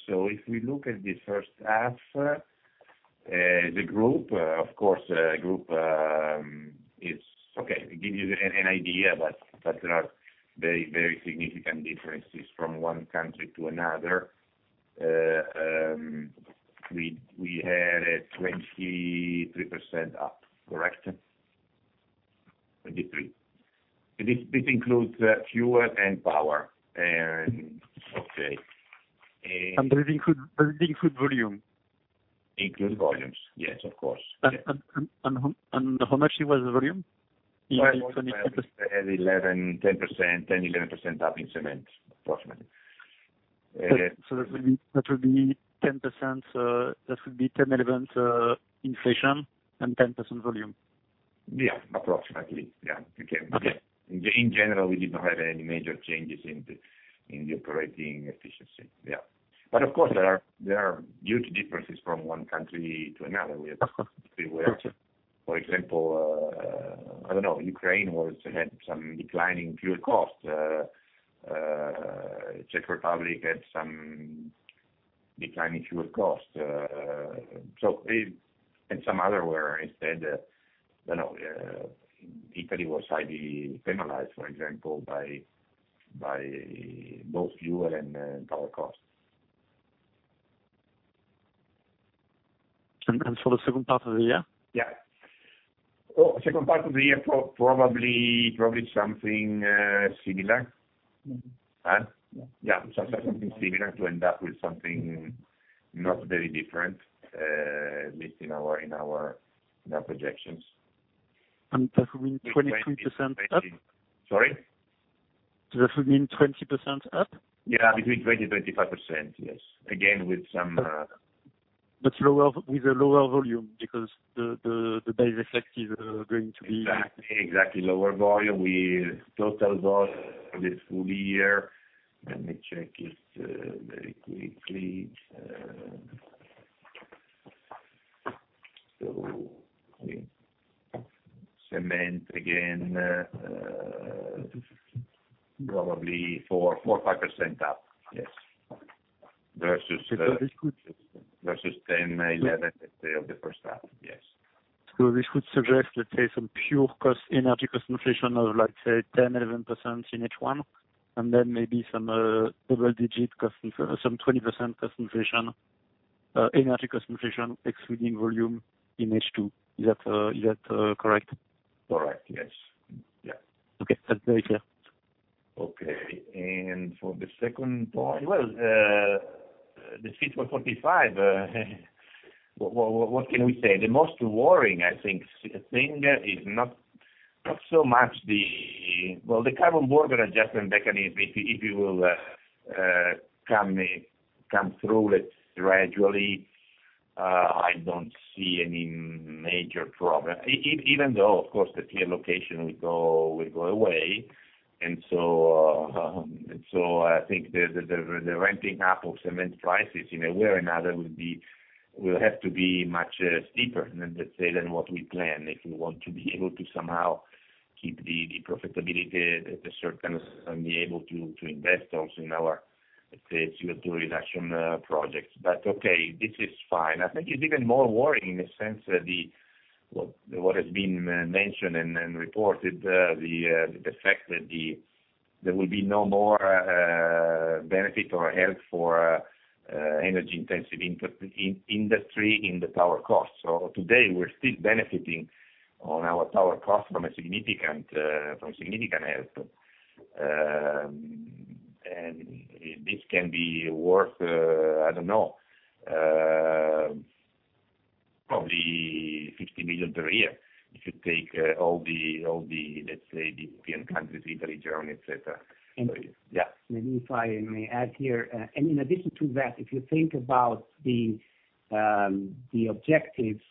Speaker 2: If we look at the first half, the group, of course, give you an idea, there are very significant differences from one country to another. We had 23%+, correct? 23%. This includes fuel and power. Okay.
Speaker 5: This includes volume?
Speaker 2: Includes volumes. Yes, of course.
Speaker 5: How much was the volume in 20%?
Speaker 2: 11, 10%, 10, 11% up in cement, approximately.
Speaker 5: That would be 10 elements inflation and 10% volume.
Speaker 2: Yeah, approximately. Yeah.
Speaker 5: Okay.
Speaker 2: In general, we did not have any major changes in the operating efficiency. Of course, there are huge differences from one country to another.
Speaker 5: Okay.
Speaker 2: For example, I don't know, Ukraine had some decline in fuel costs. Czech Republic had some decline in fuel costs. Some other were instead I don't know, Italy was highly penalized, for example, by both fuel and power costs.
Speaker 5: For the second part of the year?
Speaker 2: Yeah. Second part of the year, probably something similar. Yeah. Something similar to end up with something not very different, at least in our projections.
Speaker 5: That would mean 23% up?
Speaker 2: Sorry?
Speaker 5: That would mean 20% up?
Speaker 2: Yeah, between 20, 25%, yes.
Speaker 5: With a lower volume because the base effect is going to be
Speaker 2: Exactly. Lower volume. With total volume for this full year, let me check it very quickly. Cement, again probably 4 or 5% up. Yes.
Speaker 5: So this could-
Speaker 2: Versus 10, 11 of the first half. Yes.
Speaker 5: This would suggest some pure energy cost inflation of 10%-11% in H1, then maybe some double digit, some 20% energy cost inflation excluding volume in H2. Is that correct?
Speaker 2: Correct. Yes. Yeah.
Speaker 5: Okay. That's very clear.
Speaker 2: For the second point. The Fit for 55, what can we say? The most worrying, I think, thing is not so much the Carbon Border Adjustment Mechanism, if it will come through gradually, I don't see any major problem. Even though, of course, the free allocation will go away, I think the ramping up of cement prices in a way or another will have to be much steeper, let's say, than what we plan, if we want to be able to somehow keep the profitability at a certain, and be able to invest also in our, let's say, CO2 reduction projects. This is fine. I think it's even more worrying in the sense that what has been mentioned and reported, the fact that there will be no more benefit or help for energy-intensive industry in the power cost. Today, we're still benefiting on our power cost from significant help. This can be worth, I don't know, probably 60 million per year. If you take all the, let's say, the European countries, Italy, Germany, et cetera.
Speaker 4: And-
Speaker 2: Yeah.
Speaker 4: Maybe if I may add here, in addition to that, if you think about the objectives,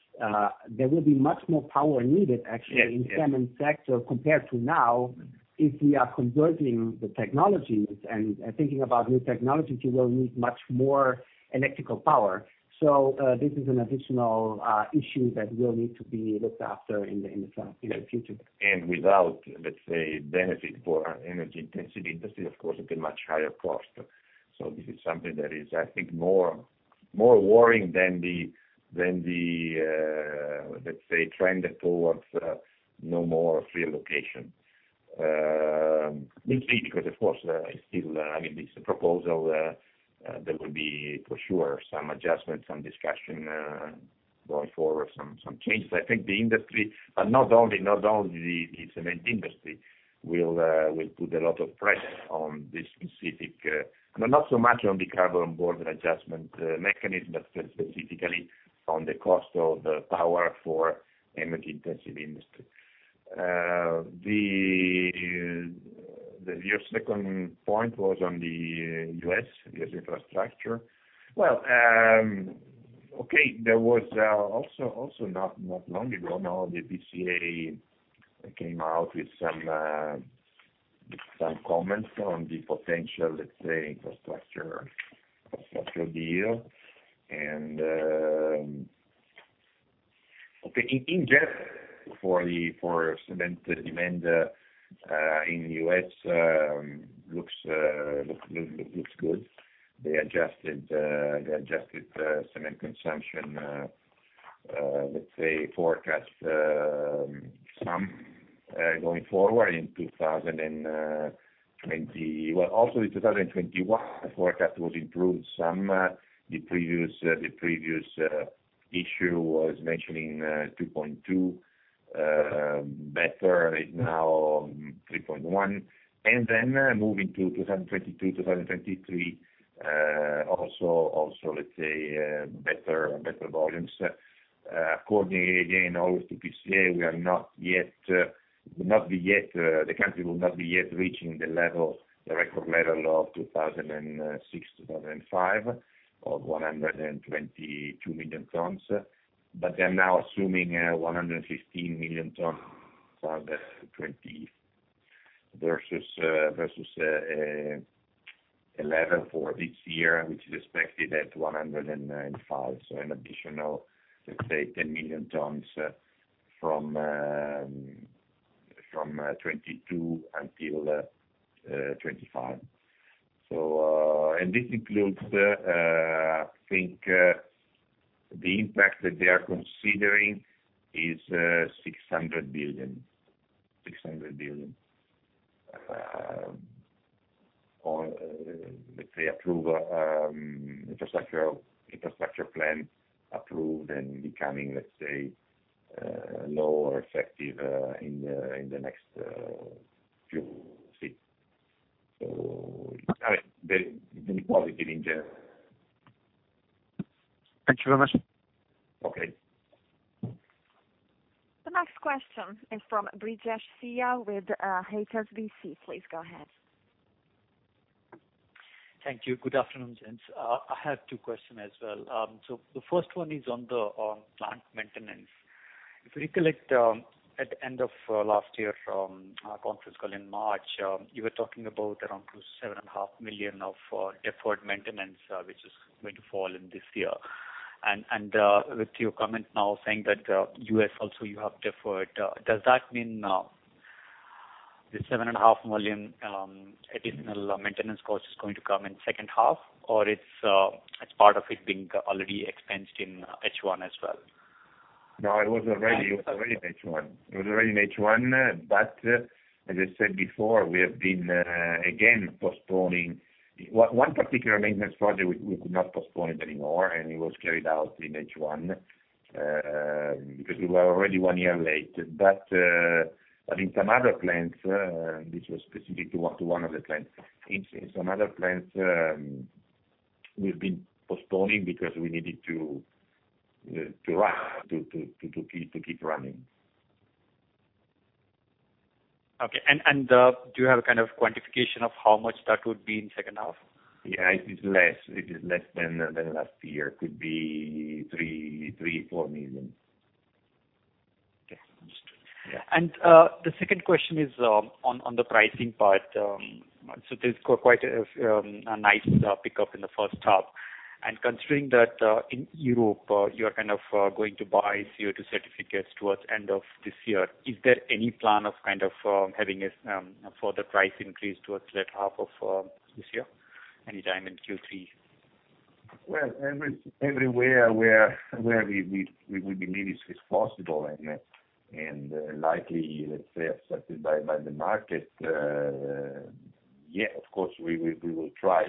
Speaker 4: there will be much more power needed, actually.
Speaker 2: Yes
Speaker 4: in cement sector compared to now. If we are converting the technologies and thinking about new technologies, we will need much more electrical power. This is an additional issue that will need to be looked after in the future.
Speaker 2: Without, let's say, benefit for energy-intensive industry, of course, at a much higher cost. This is something that is, I think, more worrying than the, let's say, trend towards no more free allocation. Indeed, because, of course, it's still a proposal. There will be, for sure, some adjustments, some discussion going forward, some changes. I think the industry, but not only the cement industry, will put a lot of pressure on this specific Not so much on the Carbon Border Adjustment Mechanism, but specifically on the cost of power for energy-intensive industry. Your second point was on the U.S., U.S. infrastructure. Well, okay. There was also not long ago now, the PCA came out with some comments on the potential, let's say, infrastructure deal. Okay, in general, for cement demand in U.S. looks good. They adjusted cement consumption, let's say, forecast some going forward in 2020. Well, also in 2021, the forecast was improved some. The previous issue was mentioning 2.2, better is now 3.1. Then moving to 2022, 2023, also let's say, better volumes. According, again, always to PCA, the country will not be yet reaching the record level of 2006, 2005, of 122 million tons. They're now assuming 115 million tons for the 20 versus 11 for this year, which is expected at 1095. An additional, let's say, 10 million tons from 2022 until 2025. This includes, I think, the impact that they are considering is EUR 600 billion. On, let's say, infrastructure plan approved and becoming, let's say, law effective in the next few weeks. Very positive in general.
Speaker 5: Thank you very much.
Speaker 2: Okay.
Speaker 1: The next question is from Brijesh Siya with HSBC. Please go ahead.
Speaker 6: Thank you. Good afternoon, gents. I have two question as well. The first one is on plant maintenance. If we recollect, at the end of last year, our conference call in March, you were talking about around seven and a half million of deferred maintenance, which is going to fall in this year. With your comment now saying that U.S. also, you have deferred, does that mean the seven and a half million additional maintenance cost is going to come in second half, or it's part of it being already expensed in H1 as well?
Speaker 2: It was already in H1. As I said before, we have been, again, postponing. one particular maintenance project, we could not postpone it anymore, and it was carried out in H1, because we were already one year late. In some other plants, this was specific to one of the plants. In some other plants, we've been postponing because we needed to run, to keep running.
Speaker 6: Okay. Do you have a kind of quantification of how much that would be in second half?
Speaker 2: Yeah, it is less than last year. Could be 3 million-4 million.
Speaker 6: Okay. Understood.
Speaker 2: Yeah.
Speaker 6: The second question is on the pricing part. There's quite a nice pickup in H1, and considering that in Europe, you're going to buy CO2 certificates towards end of this year, is there any plan of having a further price increase towards late half of this year, anytime in Q3?
Speaker 2: Well, everywhere where we will believe it is possible and likely, let's say, accepted by the market, yeah, of course, we will try.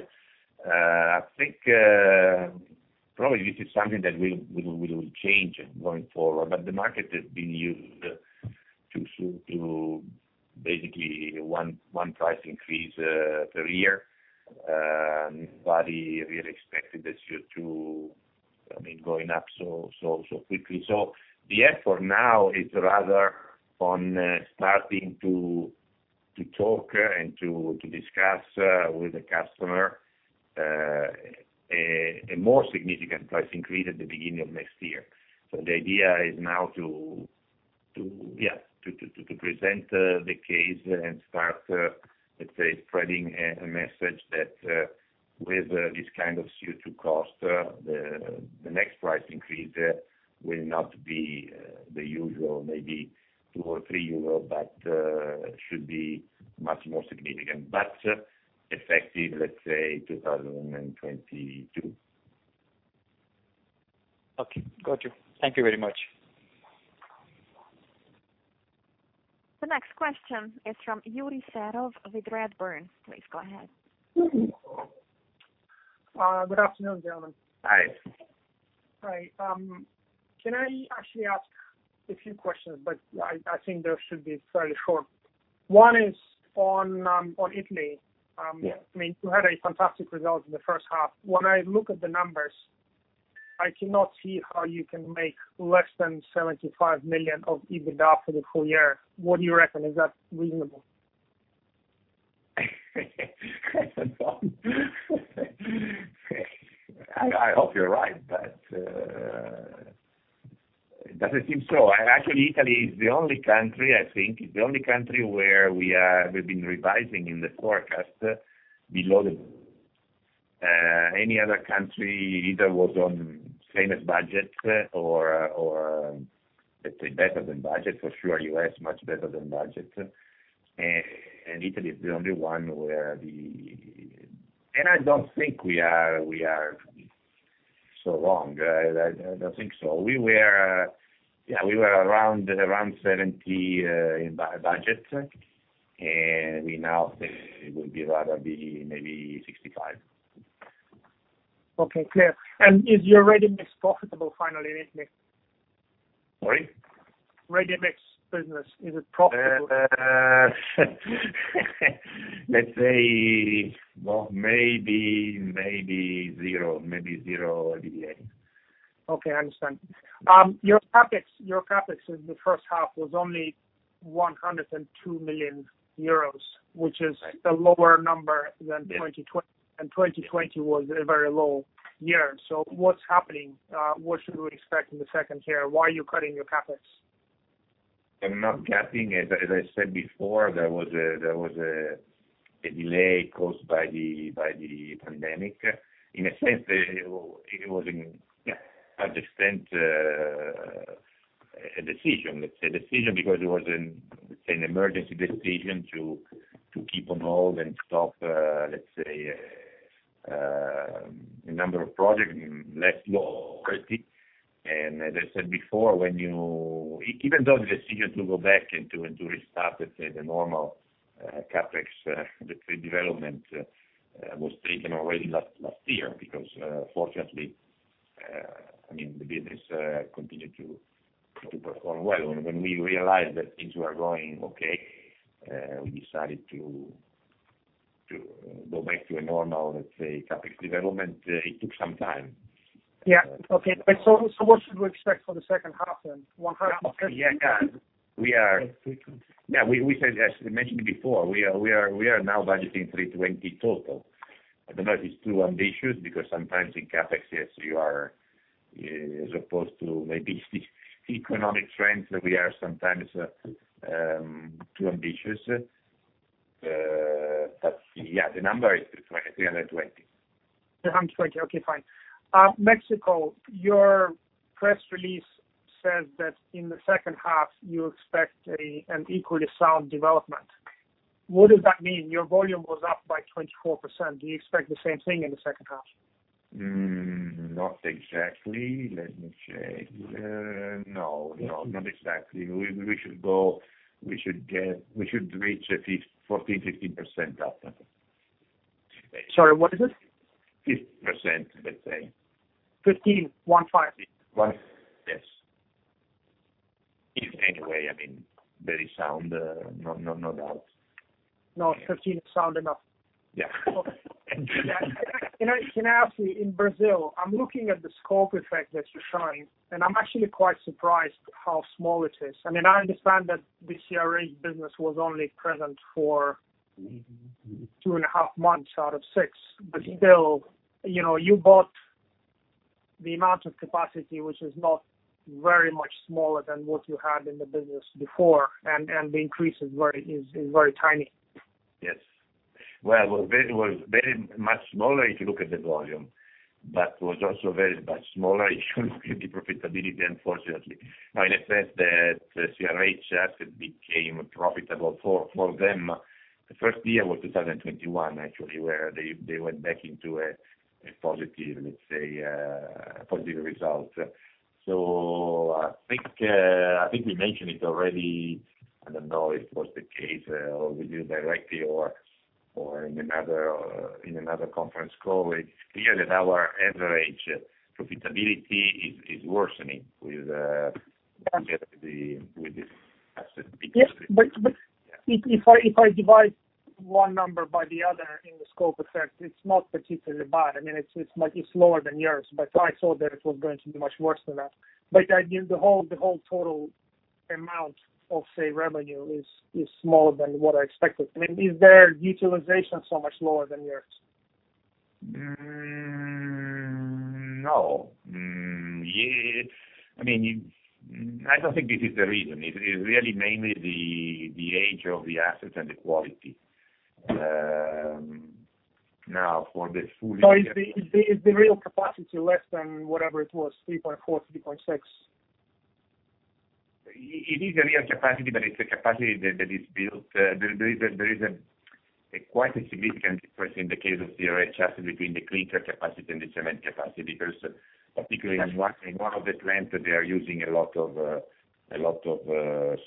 Speaker 2: I think, probably this is something that will change going forward, but the market has been used to basically one price increase per year. Nobody really expected the CO2 going up so quickly. The effort now is rather on starting to talk and to discuss with the customer, a more significant price increase at the beginning of next year. The idea is now to present the case and start, let's say, spreading a message that with this kind of CO2 cost, the next price increase will not be the usual, maybe 2 or 3 euro, but should be much more significant, but effective, let's say, 2022.
Speaker 6: Okay, got you. Thank you very much.
Speaker 1: The next question is from Yuri Serov with Redburn. Please go ahead.
Speaker 7: Good afternoon, gentlemen.
Speaker 2: Hi.
Speaker 7: Hi. Can I actually ask a few questions. I think they should be fairly short. One is on Italy.
Speaker 2: Yeah.
Speaker 7: You had a fantastic result in the first half. When I look at the numbers, I cannot see how you can make less than 75 million of EBITDA for the full year. What do you reckon, is that reasonable?
Speaker 2: I hope you're right, but it doesn't seem so. Actually, Italy is the only country, I think, is the only country where we've been revising in the forecast below any other country, either was on same as budget or, let's say, better than budget. For sure, U.S. much better than budget. Italy is the only one where the. I don't think we are so wrong. I don't think so. We were around 70 in budget, and we now think it will be rather maybe 65.
Speaker 7: Okay, clear. Is your ready-mix profitable finally in Italy?
Speaker 2: Sorry?
Speaker 7: Ready-mix business, is it profitable?
Speaker 2: Let's say, well, maybe zero EBITDA.
Speaker 7: Okay, I understand. Your CapEx in the first half was only 102 million euros, which is a lower number than 2020, and 2020 was a very low year. What's happening? What should we expect in the second half? Why are you cutting your CapEx?
Speaker 2: I'm not cutting it. As I said before, there was a delay caused by the pandemic. In a sense, it was to an extent, a decision. Let's say decision because it was an emergency decision to keep on hold and stop, let's say, a number of projects, less low quality. As I said before, even though the decision to go back and to restart, let's say, the normal CapEx development was taken already last year, because fortunately, the business continued to perform well. When we realized that things were going okay, we decided to go back to a normal, let's say, CapEx development. It took some time.
Speaker 7: Yeah. Okay. What should we expect for the second half then? 100?
Speaker 2: As we mentioned before, we are now budgeting 320 total. I don't know if it's too ambitious, because sometimes in CapEx, yes, you are as opposed to maybe economic trends, we are sometimes too ambitious. The number is 320.
Speaker 7: Okay, fine. Mexico, your press release says that in the second half, you expect an equally sound development. What does that mean? Your volume was up by 24%. Do you expect the same thing in the second half?
Speaker 2: Not exactly. Let me check. No, not exactly. We should reach a 14%, 15% up.
Speaker 7: Sorry, what is it?
Speaker 2: 15%, let's say.
Speaker 7: 15? One, five.
Speaker 2: One, five. Yes. Anyway, very sound, no doubt.
Speaker 7: No, 15 is sound enough.
Speaker 2: Yeah.
Speaker 7: Can I ask you, in Brazil, I'm looking at the scope effect that you're showing, and I'm actually quite surprised how small it is. I understand that the CRH business was only present for 2.5 Months out of six, but still, you bought the amount of capacity, which is not very much smaller than what you had in the business before, and the increase is very tiny.
Speaker 2: Yes. Well, it was very much smaller if you look at the volume, but was also very much smaller if you look at the profitability, unfortunately. In a sense that CRH just became profitable for them. The first year was 2021, actually, where they went back into a positive result. I think we mentioned it already. I don't know if it was the case with you directly or in another conference call. It's clear that our average profitability is worsening with the asset.
Speaker 7: Yes. If I divide one number by the other in the scope effect, it is not particularly bad. It is lower than yours, but I thought that it was going to be much worse than that. The whole total amount of, say, revenue is smaller than what I expected. Is their utilization so much lower than yours?
Speaker 2: No. I don't think this is the reason. It's really mainly the age of the assets and the quality.
Speaker 7: Is the real capacity less than, whatever it was, 3.4 million, 3.6 million?
Speaker 2: It is a real capacity, but it's a capacity that is built. There is quite a significant difference in the case of the CRH asset between the clinker capacity and the cement capacity, because particularly in one of the plants, they are using a lot of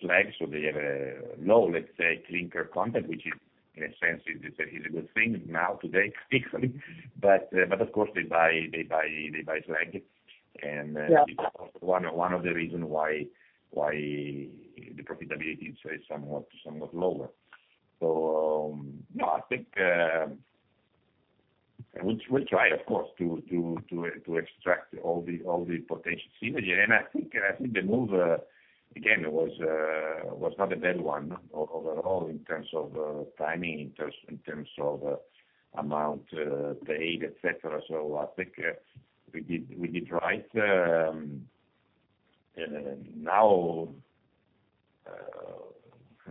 Speaker 2: slag. They have a low, let's say, clinker content, which in a sense is a good thing now, today actually. Of course, they buy slag.
Speaker 7: Yeah.
Speaker 2: It's one of the reason why the profitability is somewhat lower. I think we try, of course, to extract all the potential synergy. I think the move, again, was not a bad one overall in terms of timing, in terms of amount paid, et cetera. I think we did right. Now,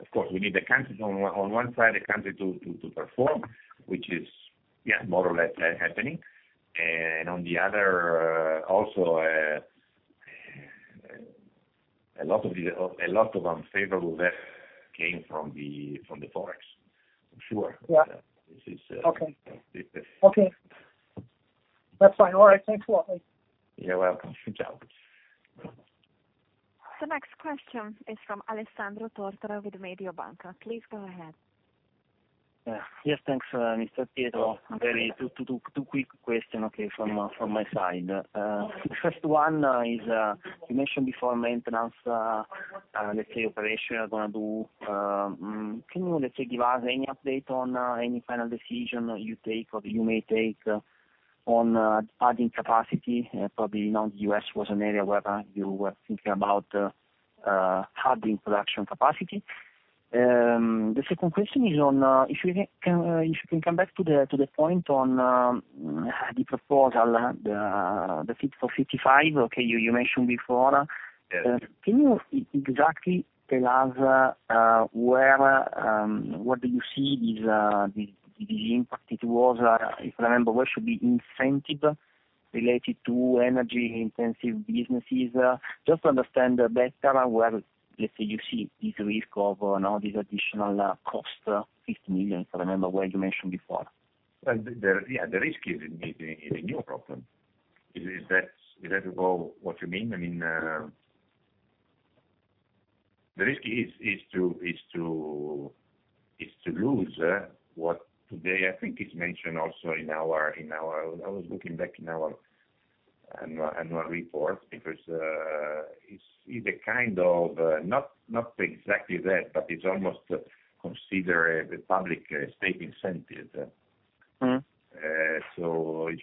Speaker 2: of course, we need the country on one side, the country to perform, which is more or less happening. On the other, also, a lot of unfavorable effect came from the ForEx, I'm sure.
Speaker 7: Yeah. Okay. That's fine. All right. Thanks a lot.
Speaker 2: You're welcome. Ciao.
Speaker 1: The next question is from Alessandro Tortora with Mediobanca. Please go ahead.
Speaker 8: Yes, thanks, Mr. Pietro. Two quick question, okay, from my side. First one is, you mentioned before maintenance, let's say, operation you are going to do. Can you, let's say, give us any update on any final decision you take or you may take on adding capacity? Probably not U.S. was an area where you were thinking about adding production capacity. The second question is on, if you can come back to the point on the proposal, the Fit for 55, okay, you mentioned before.
Speaker 2: Yes.
Speaker 8: Can you exactly tell us what did you see this impact? If I remember, where should be incentive related to energy intensive businesses? Just to understand better where, let's say, you see this risk of now this additional cost, 50 million, if I remember where you mentioned before?
Speaker 2: Yeah, the risk is a new problem. Is that what you mean? The risk is to lose what today, I think, is mentioned also in our I was looking back in our annual report because it's the kind of, not exactly that, but it's almost considered a public state incentive. If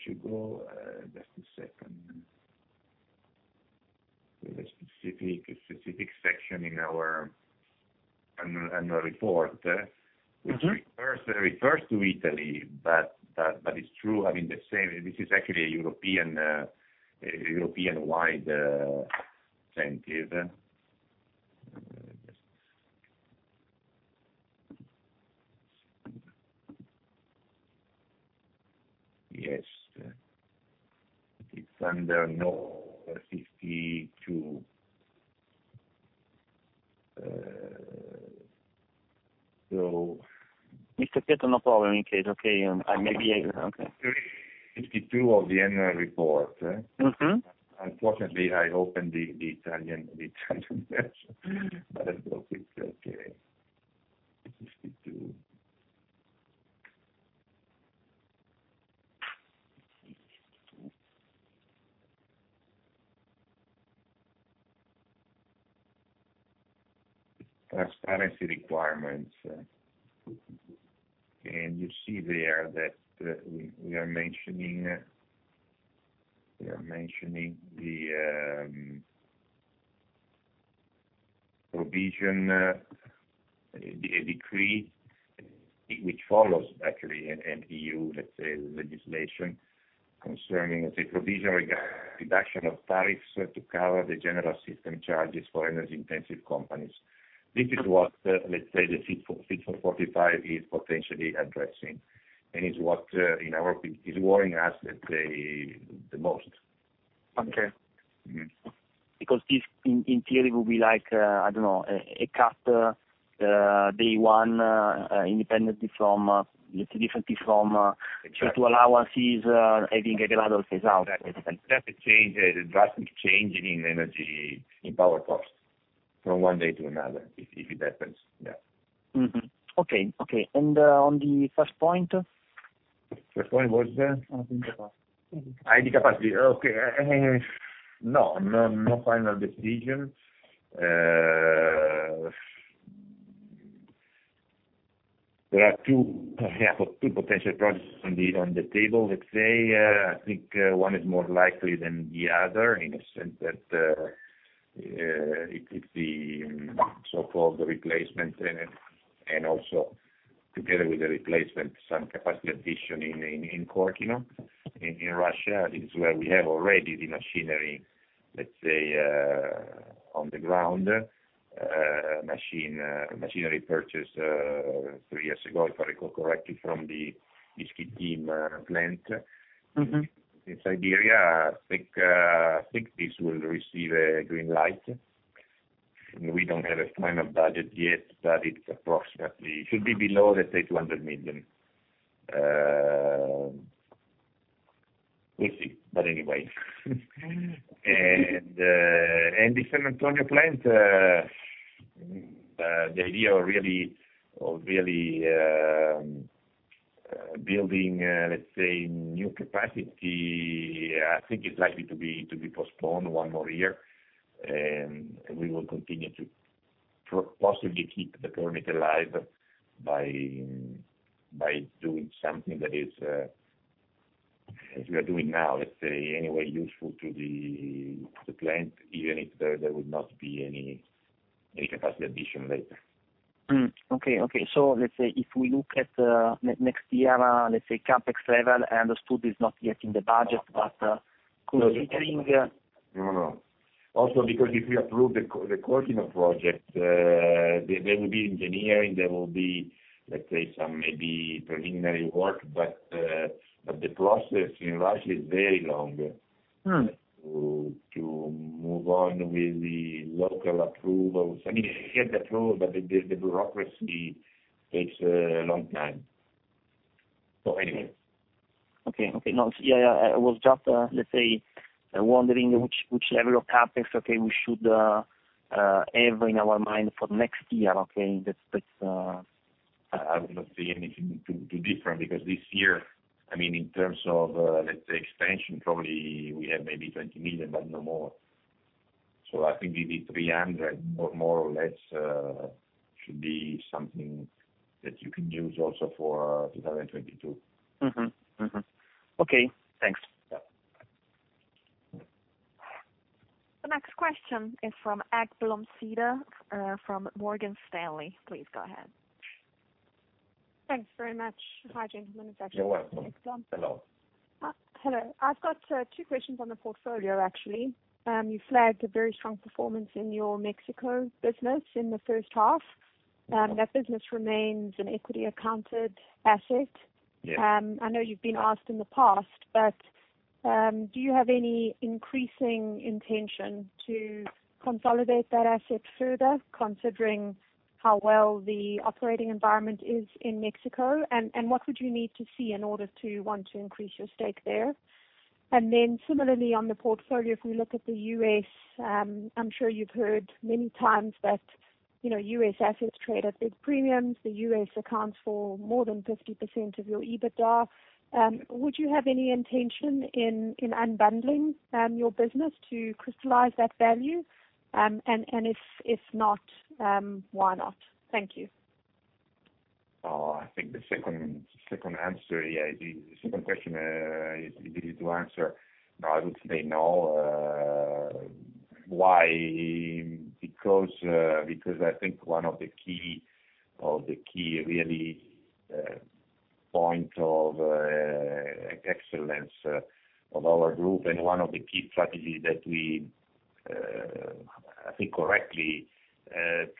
Speaker 2: you go, just a second. There's a specific section in our annual report. Which refers to Italy, but it is true, having the same, this is actually a European-wide incentive. Yes. It is under number 52. So
Speaker 8: Mr. Pietro, no problem in case. Okay. Okay.
Speaker 2: Page 52 of the annual report. Unfortunately, I opened the Italian version, but I think it's okay. 52. Transparency requirements. You see there that we are mentioning the provision, a decree which follows actually an EU, let's say, legislation concerning, let's say, provision regarding reduction of tariffs to cover the general system charges for energy intensive companies. This is what, let's say, the Fit for 55 is potentially addressing, and is what is worrying us, let's say, the most.
Speaker 8: Okay. Because this, in theory, will be like, I don't know, a cut day one, differently from virtual allowances, having a gradual phase out.
Speaker 2: That's a drastic change in energy, in power cost from one day to another, if it happens. Yeah.
Speaker 8: Mm-hmm. Okay. On the first point?
Speaker 2: First point was?
Speaker 8: On capacity.
Speaker 2: ID capacity. Okay. No final decision. There are two potential projects on the table, let's say. I think one is more likely than the other in the sense that, it could be so-called the replacement, and also together with the replacement, some capacity addition in Korkino, in Russia. This is where we have already the machinery, let's say, on the ground. Machinery purchased three years ago, if I recall correctly, from the Timisoara plant. In Siberia, I think this will receive a green light. We don't have a final budget yet, but it approximately should be below, let's say, 200 million. We'll see. Anyway. The San Antonio plant, the idea of really building, let's say, new capacity, I think it's likely to be postponed one more year, and we will continue to possibly keep the permit alive by doing something that is, as we are doing now, let's say, any way useful to the plant, even if there would not be any capacity addition later.
Speaker 8: Okay. Let's say if we look at next year, let's say CapEx level, I understood it's not yet in the budget.
Speaker 2: No. Also, because if we approve the Korkino project, there will be engineering, there will be some maybe preliminary work, but the process in Russia is very long. To move on with the local approvals. I mean, we have the approval, but the bureaucracy takes a long time.
Speaker 8: Okay. I was just, let's say, wondering which level of CapEx, okay, we should have in our mind for next year, okay?
Speaker 2: I would not say anything too different, because this year, in terms of, let's say, expansion, probably we have maybe 20 million, but no more. I think maybe 300, more or less, should be something that you can use also for 2022.
Speaker 8: Mm-hmm. Okay. Thanks.
Speaker 2: Yeah.
Speaker 1: The next question is from Cedar Ekblom from Morgan Stanley. Please go ahead.
Speaker 9: Thanks very much. Hi, gentlemen.
Speaker 2: You're welcome.
Speaker 9: Cedar Ekblom.
Speaker 2: Hello.
Speaker 9: Hello. I've got two questions on the portfolio, actually. You flagged a very strong performance in your Mexico business in the first half, and that business remains an equity accounted asset.
Speaker 2: Yes.
Speaker 9: I know you've been asked in the past, do you have any increasing intention to consolidate that asset further, considering how well the operating environment is in Mexico? What would you need to see in order to want to increase your stake there? Similarly, on the portfolio, if we look at the U.S., I'm sure you've heard many times that U.S. assets trade at big premiums. The U.S. accounts for more than 50% of your EBITDA. Would you have any intention in unbundling your business to crystallize that value? If not, why not? Thank you.
Speaker 2: I think the second question is easy to answer. No, I would say no. Why? Because I think one of the key, really point of excellence of our group and one of the key strategies that we, I think correctly,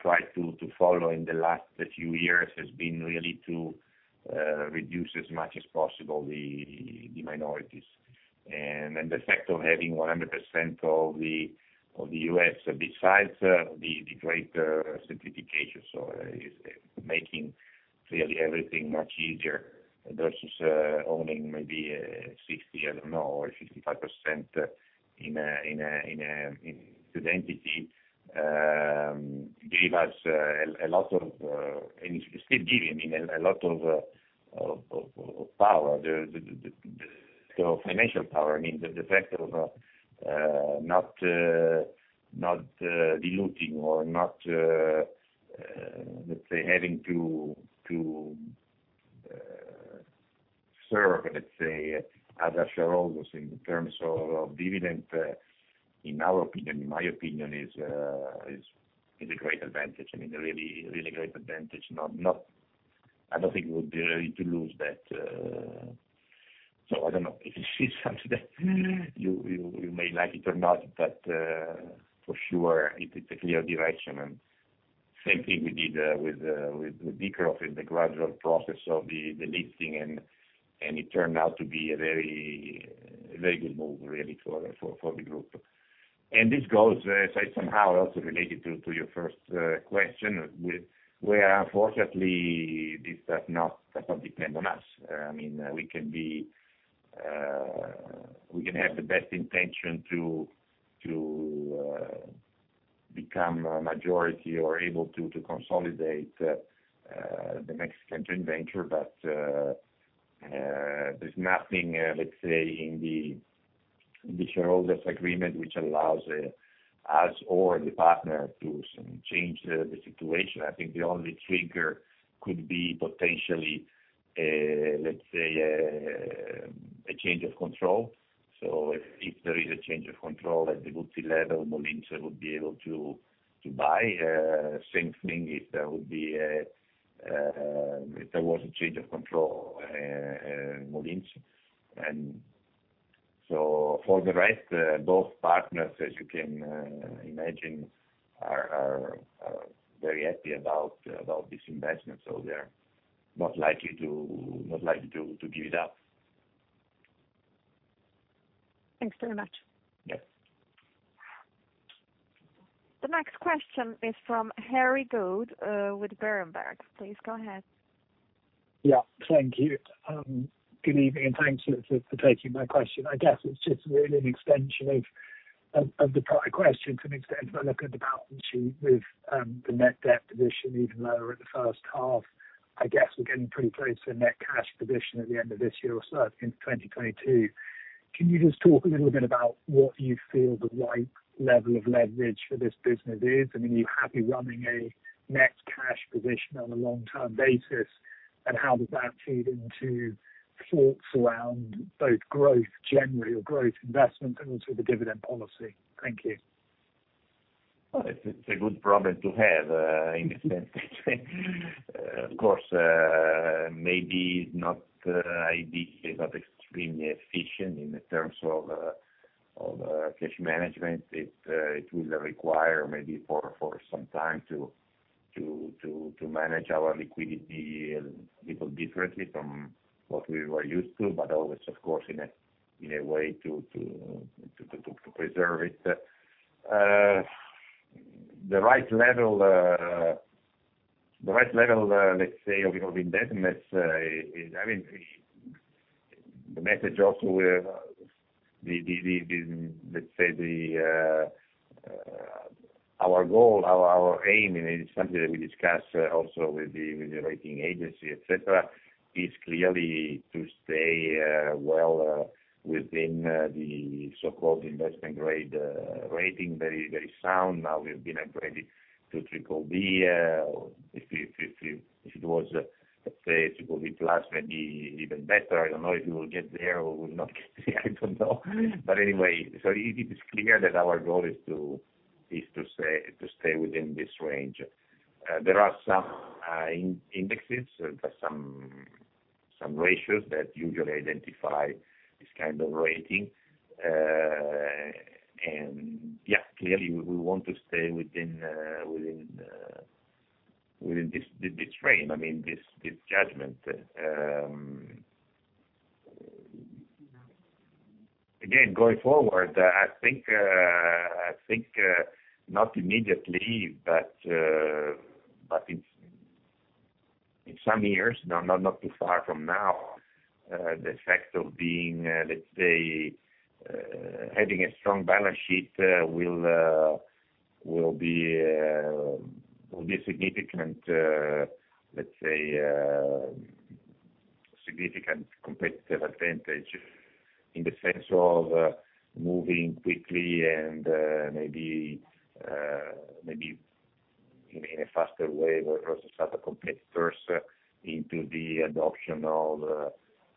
Speaker 2: tried to follow in the last few years has been really to reduce as much as possible the minorities. The fact of having 100% of the U.S. besides the great simplification, so is making clearly everything much easier versus owning maybe 60, I don't know, or 55% in this entity, gave us, and it's still giving, a lot of financial power. I mean, the fact of not diluting or not, let's say, having to serve, let's say, other shareholders in terms of dividend, in my opinion, is a great advantage. I mean, a really great advantage. I don't think we would be ready to lose that. I don't know. If you see something you may like it or not, but for sure, it's a clear direction and same thing we did with Dyckerhoff in the gradual process of the listing, and it turned out to be a very good move, really, for the group. This goes, somehow, also related to your first question, where unfortunately, this does not depend on us. We can have the best intention to become a majority or able to consolidate the Mexican joint venture, but there's nothing, let's say, in the shareholders agreement which allows us or the partner to change the situation. I think the only trigger could be potentially, let's say, a change of control. If there is a change of control at the Buzzi level, Molins would be able to buy. Same thing if there was a change of control at Molins. For the rest, both partners, as you can imagine, are very happy about this investment. They're not likely to give it up.
Speaker 9: Thanks very much.
Speaker 2: Yeah.
Speaker 1: The next question is from Harry Goad, with Berenberg. Please go ahead.
Speaker 10: Yeah, thank you. Good evening, and thank you for taking my question. I guess it's just really an extension of the prior question to an extent. If I look at the balance sheet with the net debt position, even lower at the first half, I guess we're getting pretty close to a net cash position at the end of this year or so in 2022. Can you just talk a little bit about what you feel the right level of leverage for this business is? You're happy running a net cash position on a long-term basis, and how does that feed into thoughts around both growth generally or growth investment, and also the dividend policy? Thank you.
Speaker 2: It's a good problem to have, in a sense. Of course, maybe IB is not extremely efficient in the terms of cash management. It will require maybe for some time to manage our liquidity a little differently from what we were used to, but always, of course, in a way to preserve it. The right level of indebtedness, the message also with our goal, our aim, and it is something that we discuss also with the rating agency, et cetera, is clearly to stay well within the so-called investment grade rating. Very, very sound. Now we've been upgraded to BBB. If it was, let's say, BBB+, maybe even better. I don't know if we will get there or will not get there, I don't know. It is clear that our goal is to stay within this range. There are some indexes, there's some ratios that usually identify this kind of rating. Clearly, we want to stay within this frame, this judgment. Again, going forward, I think not immediately, but in some years, not too far from now, the effect of having a strong balance sheet will be a significant competitive advantage in the sense of moving quickly and maybe in a faster way versus other competitors into the adoption of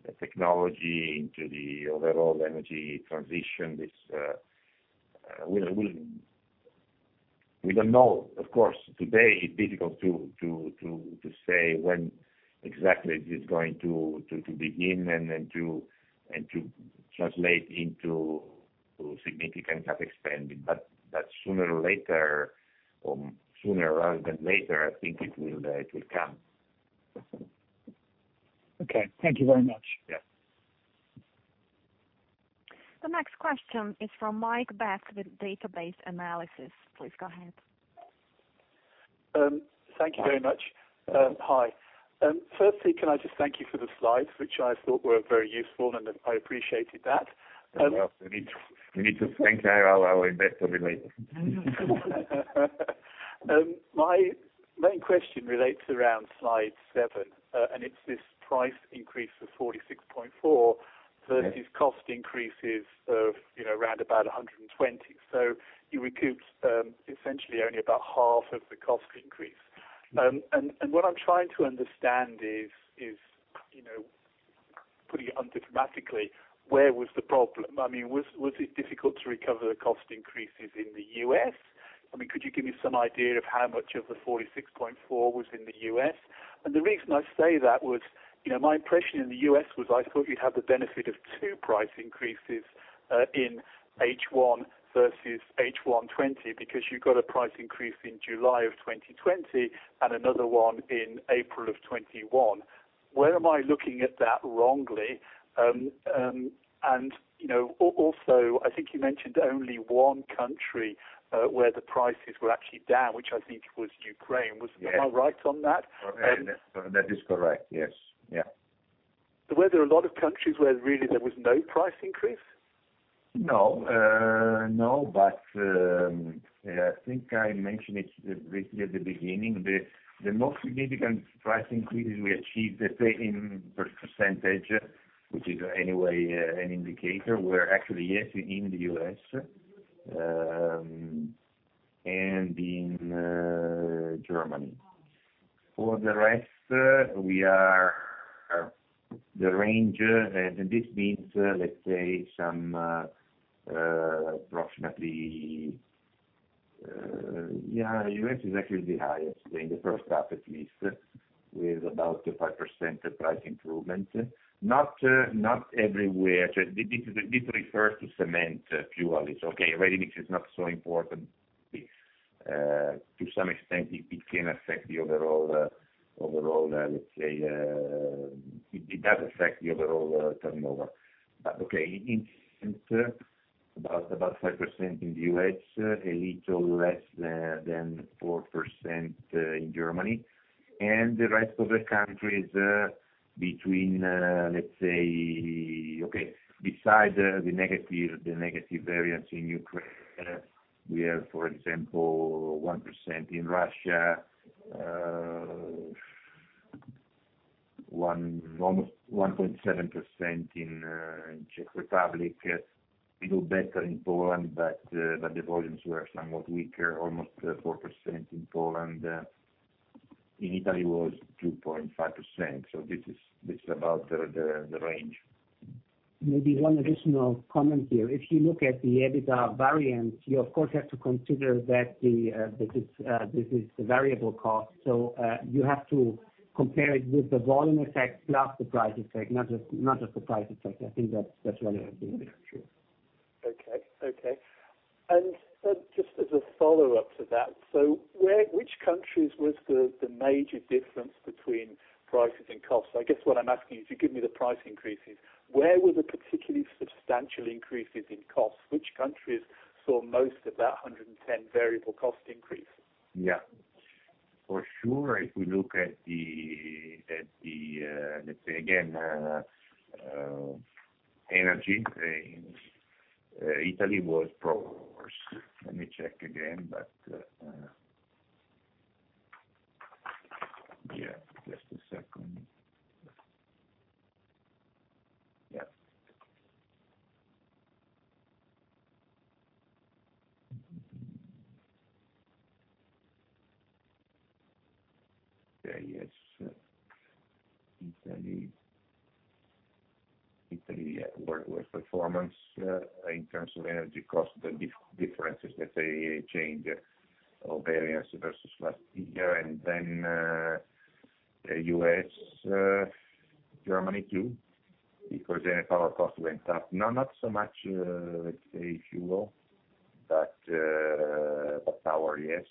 Speaker 2: the technology into the overall energy transition. We don't know, of course. Today, it's difficult to say when exactly this is going to begin and to translate into significant CapEx. Sooner rather than later, I think it will come.
Speaker 10: Okay. Thank you very much.
Speaker 2: Yeah.
Speaker 1: The next question is from Mike Betts with Database Analysis. Please go ahead.
Speaker 11: Thank you very much. Hi. Firstly, can I just thank you for the slides, which I thought were very useful, and I appreciated that.
Speaker 2: Well, we need to thank our investor relations.
Speaker 11: My main question relates around slide seven. It's this price increase of 46.4% versus cost increases of around about 120%. You recouped essentially only about half of the cost increase. What I'm trying to understand is, putting it undiplomatically, where was the problem? Was it difficult to recover the cost increases in the U.S.? Could you give me some idea of how much of the 46.4% was in the U.S.? The reason I say that was, my impression in the U.S. was I thought you had the benefit of two price increases, in H1 versus H1 2020, because you got a price increase in July of 2020 and another one in April of 2021. Where am I looking at that wrongly? Also, I think you mentioned only one country, where the prices were actually down, which I think was Ukraine.
Speaker 2: Yes.
Speaker 11: Am I right on that?
Speaker 2: That is correct. Yes.
Speaker 11: Were there a lot of countries where really there was no price increase?
Speaker 2: I think I mentioned it briefly at the beginning. The most significant price increases we achieved, let's say, in percentage, which is anyway an indicator, were actually, yes, in the U.S., and in Germany. For the rest, we are the range, this means, let's say approximately, the U.S. is actually the highest in the first half, at least, with about 5% price improvement. Not everywhere. This refers to cement purely. It's okay. Ready-mix is not so important. To some extent, it can affect the overall. It does affect the overall turnover. In cement, about 5% in the U.S., a little less than 4% in Germany. The rest of the countries between, let's say. Beside the negative variance in Ukraine, we have, for example, 1% in Russia, almost 1.7% in Czech Republic. A little better in Poland, but the volumes were somewhat weaker, almost 4% in Poland. In Italy, it was 2.5%. This is about the range.
Speaker 4: Maybe one additional comment here. If you look at the EBITDA variance, you of course, have to consider that this is the variable cost. You have to compare it with the volume effect plus the price effect, not just the price effect. I think that's relevant and very true.
Speaker 11: Okay. Just as a follow-up to that, which countries was the major difference between prices and costs? I guess what I am asking is, you give me the price increases. Where were the particularly substantial increases in costs? Which countries saw most of that 110 variable cost increase?
Speaker 2: Yeah. For sure, if we look at the, let's say, again, energy, Italy was probably the worst. Let me check again. Just a second. Yes. Italy, worst performance in terms of energy cost, the differences, let's say, change or variance versus last year. U.S., Germany too, because power cost went up. No, not so much, let's say, fuel, power, yes.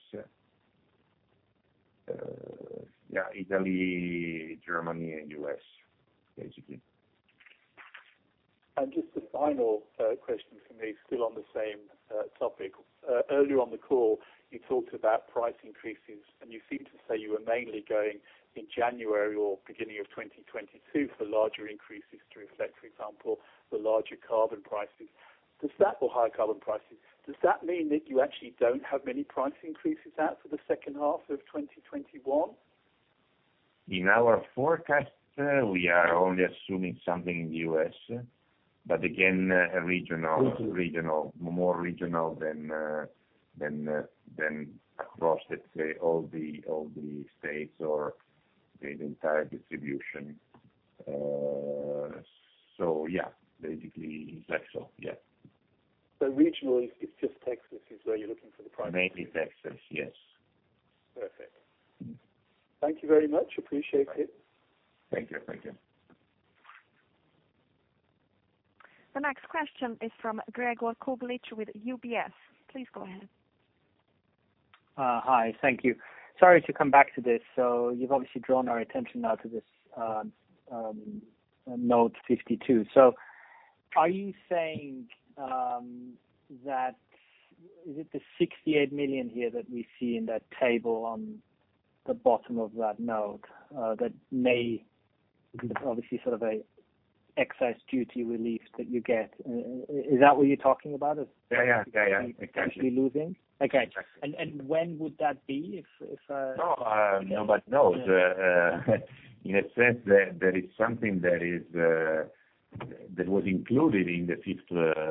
Speaker 2: Italy, Germany, and U.S., basically.
Speaker 11: Just a final question from me, still on the same topic. Earlier on the call, you talked about price increases, and you seemed to say you were mainly going in January or beginning of 2022 for larger increases to reflect, for example, the larger carbon prices. Does that or high carbon prices, does that mean that you actually don't have many price increases out for the second half of 2021?
Speaker 2: In our forecast, we are only assuming something in the U.S., but again, more regional than across, let's say, all the states or the entire distribution. Basically, it's like so.
Speaker 11: Regionally, it's just Texas is where you're looking for the price increase.
Speaker 2: Mainly Texas, yes.
Speaker 11: Perfect. Thank you very much. Appreciate it.
Speaker 2: Thank you.
Speaker 1: The next question is from Gregor Kuglitsch with UBS. Please go ahead.
Speaker 12: Hi. Thank you. Sorry to come back to this. You've obviously drawn our attention now to this note 52. Are you saying that Is it the 68 million here that we see in that table on the bottom of that note, that may obviously sort of a excess duty relief that you get? Is that what you're talking about?
Speaker 2: Yeah.
Speaker 12: potentially losing? Okay.
Speaker 2: Yes.
Speaker 12: When would that be?
Speaker 2: No, but no. In a sense, there is something that was included in the Fit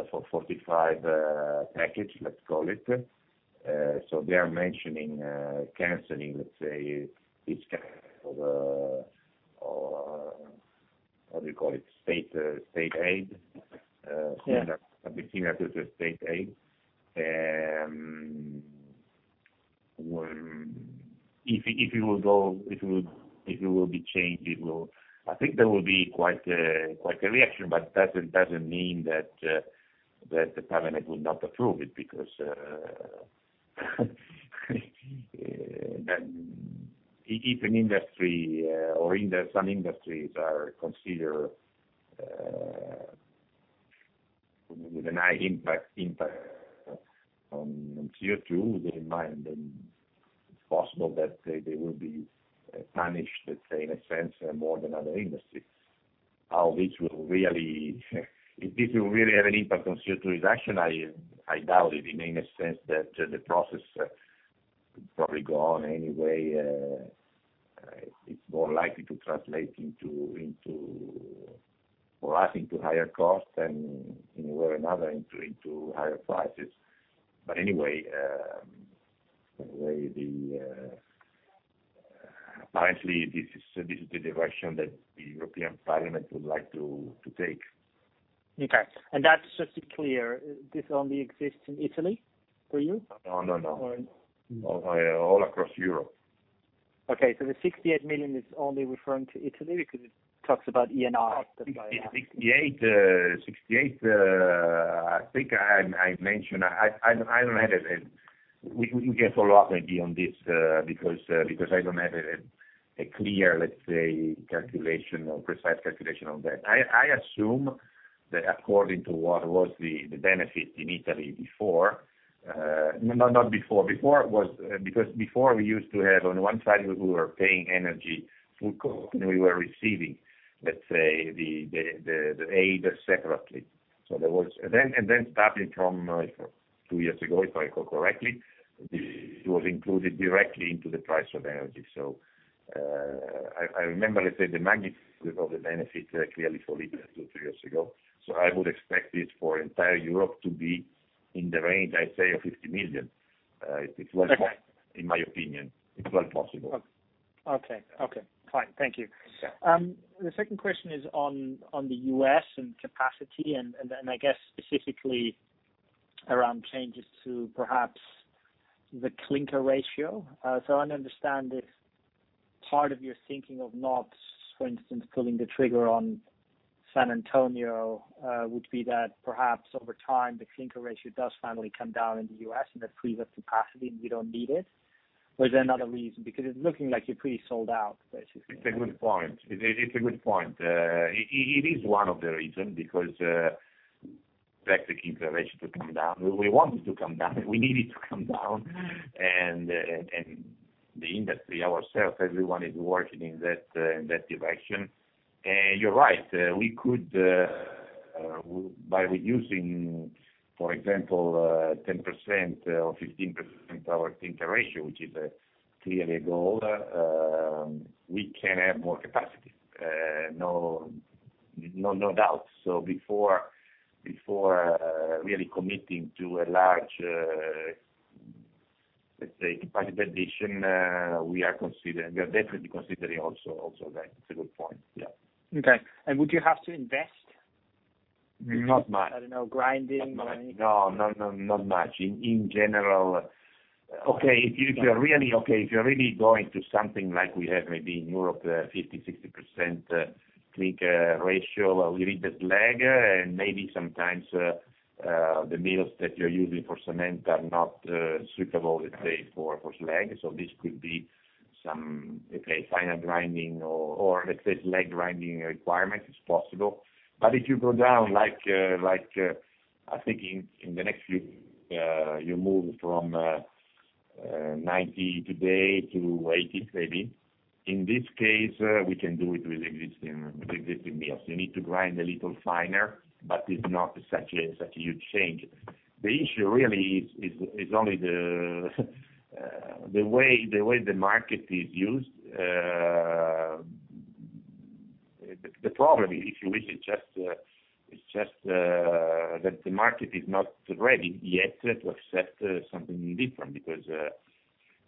Speaker 2: for 55 package, let's call it. They are mentioning canceling, let's say, this kind of, how do you call it? State aid.
Speaker 12: Yeah.
Speaker 2: Something that's similar to a state aid. If it will be changed, I think there will be quite a reaction, but it doesn't mean that the Parliament will not approve it because If an industry or some industries are considered with a high impact on CO2, bear in mind, then it's possible that they will be punished, let's say, in a sense, more than other industries. If this will really have an impact on CO2 reduction, I doubt it, in a sense that the process would probably go on anyway. It's more likely to translate for us into higher costs, and in a way or another, into higher prices. Anyway, apparently, this is the direction that the European Parliament would like to take.
Speaker 12: Okay. Just to be clear, this only exists in Italy for you?
Speaker 2: No. All across Europe.
Speaker 12: Okay. The 68 million is only referring to Italy because it talks about ENR.
Speaker 2: 68, I think I mentioned I do not have it. We can follow up maybe on this, because I do not have a clear, let's say, calculation or precise calculation of that. I assume that according to what was the benefit in Italy before. No, not before. Before, we used to have, on one side, we were paying energy full cost, and we were receiving, let's say, the aid separately. Starting from two years ago, if I recall correctly, this was included directly into the price of energy. I remember, let's say, the magnitude of the benefit clearly for Italy two, three years ago. I would expect this for entire Europe to be in the range, I say, of 50 million.
Speaker 12: Okay.
Speaker 2: In my opinion, it's well possible.
Speaker 12: Okay. Fine. Thank you.
Speaker 2: Yeah.
Speaker 12: The second question is on the U.S. and capacity, and then I guess specifically around changes to perhaps the clinker ratio. I don't understand if part of your thinking of not, for instance, pulling the trigger on San Antonio, would be that perhaps over time, the clinker ratio does finally come down in the U.S. and that frees up capacity, and you don't need it. Is there another reason? It's looking like you're pretty sold out, basically.
Speaker 2: It's a good point. It is one of the reasons, because that's the clinker ratio to come down. We want it to come down. We need it to come down, the industry, ourselves, everyone is working in that direction. You're right, we could, by reducing, for example, 10% or 15% our clinker ratio, which is clearly a goal, we can have more capacity. No doubt. Before really committing to a large, let's say, capacity addition, we are definitely considering also that. It's a good point. Yeah.
Speaker 12: Okay. Would you have to invest?
Speaker 2: Not much.
Speaker 12: I don't know, grinding money.
Speaker 2: No. Not much. In general, okay, if you're really going to something like we have maybe in Europe, 50, 60% clinker ratio, we read that SLAG, and maybe sometimes the mills that you're using for cement are not suitable, let's say, for SLAG. This could be some, let's say, final grinding, or let's say SLAG grinding requirement is possible. If you go down, I think in the next few. You move from 90 today to 80, maybe. In this case, we can do it with existing mills. You need to grind a little finer, but it's not such a huge change. The issue really is only the way the market is used. The problem, if you wish, it's just that the market is not ready yet to accept something different.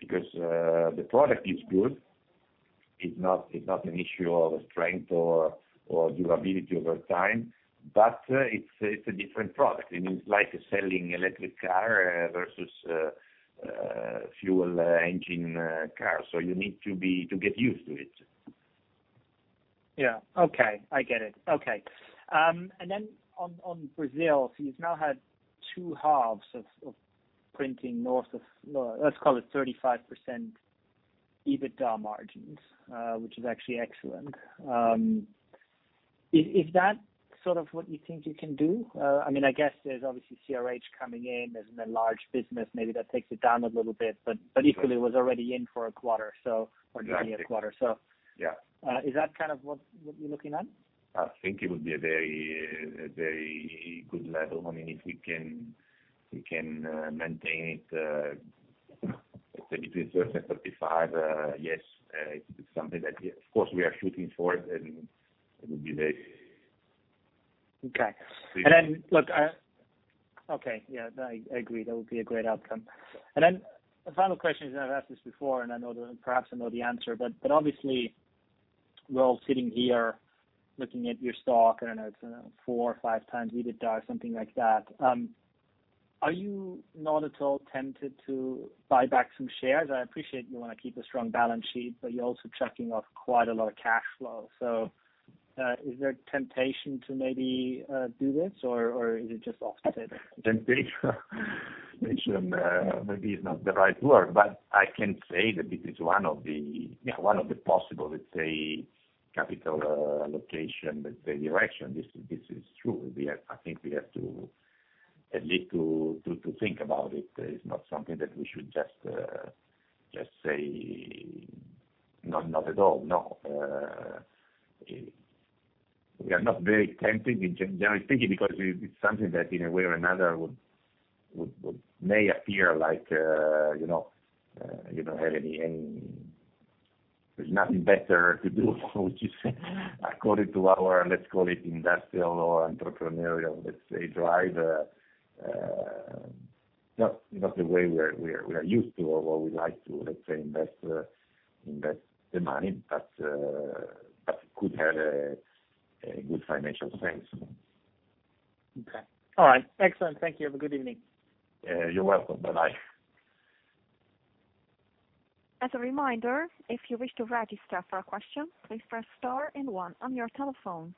Speaker 2: The product is good. It's not an issue of strength or durability over time. It's a different product, and it's like selling electric car versus fuel engine car. You need to get used to it.
Speaker 12: Yeah. Okay. I get it. Okay. On Brazil, you've now had two halves of printing north of, let's call it 35% EBITDA margins, which is actually excellent. Is that sort of what you think you can do? I guess there's obviously CRH coming in as a large business. Maybe that takes it down a little bit. Equally, it was already in for a quarter or giving a quarter.
Speaker 2: Yeah.
Speaker 12: Is that kind of what you're looking at?
Speaker 2: I think it would be a very good level. If we can maintain it, let's say between 30 and 35, yes, it is something that, of course, we are shooting for, and it would be very
Speaker 12: Okay. Yeah. I agree. That would be a great outcome. The final question is, I've asked this before, perhaps I know the answer, obviously, we're all sitting here looking at your stock. I don't know, it's 4x or 5x EBITDA, something like that. Are you not at all tempted to buy back some shares? I appreciate you want to keep a strong balance sheet, you're also chucking off quite a lot of cash flow. Is there a temptation to maybe do this, or is it just off the table?
Speaker 2: Temptation maybe is not the right word, but I can say that this is one of the possible, let's say, capital allocation direction. This is true. I think we have to at least think about it. It's not something that we should just say, "Not at all." No. We are not very tempted in general speaking, because it's something that in a way or another may appear like there's nothing better to do, which is according to our, let's call it industrial or entrepreneurial, let's say drive. Not the way we are used to, or we like to, let's say invest the money, but it could have a good financial sense.
Speaker 12: Okay. All right. Excellent. Thank you. Have a good evening.
Speaker 2: You're welcome. Bye bye.
Speaker 1: As a reminder, if you wish to register for a question, please press star and one on your telephone.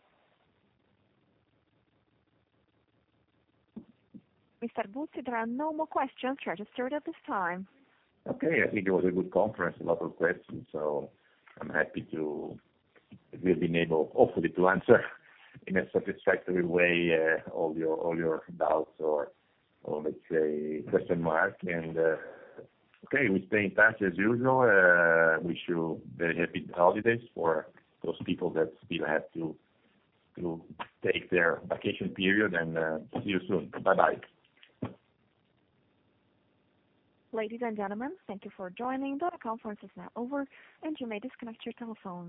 Speaker 1: Mr. Buzzi, there are no more questions registered at this time.
Speaker 2: I think it was a good conference, a lot of questions. I'm happy to have been able, hopefully, to answer in a satisfactory way all your doubts or let's say question marks. Okay, we stay in touch as usual. Wish you very happy holidays for those people that still have to take their vacation period, and see you soon. Bye-bye.
Speaker 1: Ladies and gentlemen, thank you for joining. The conference is now over, and you may disconnect your telephones.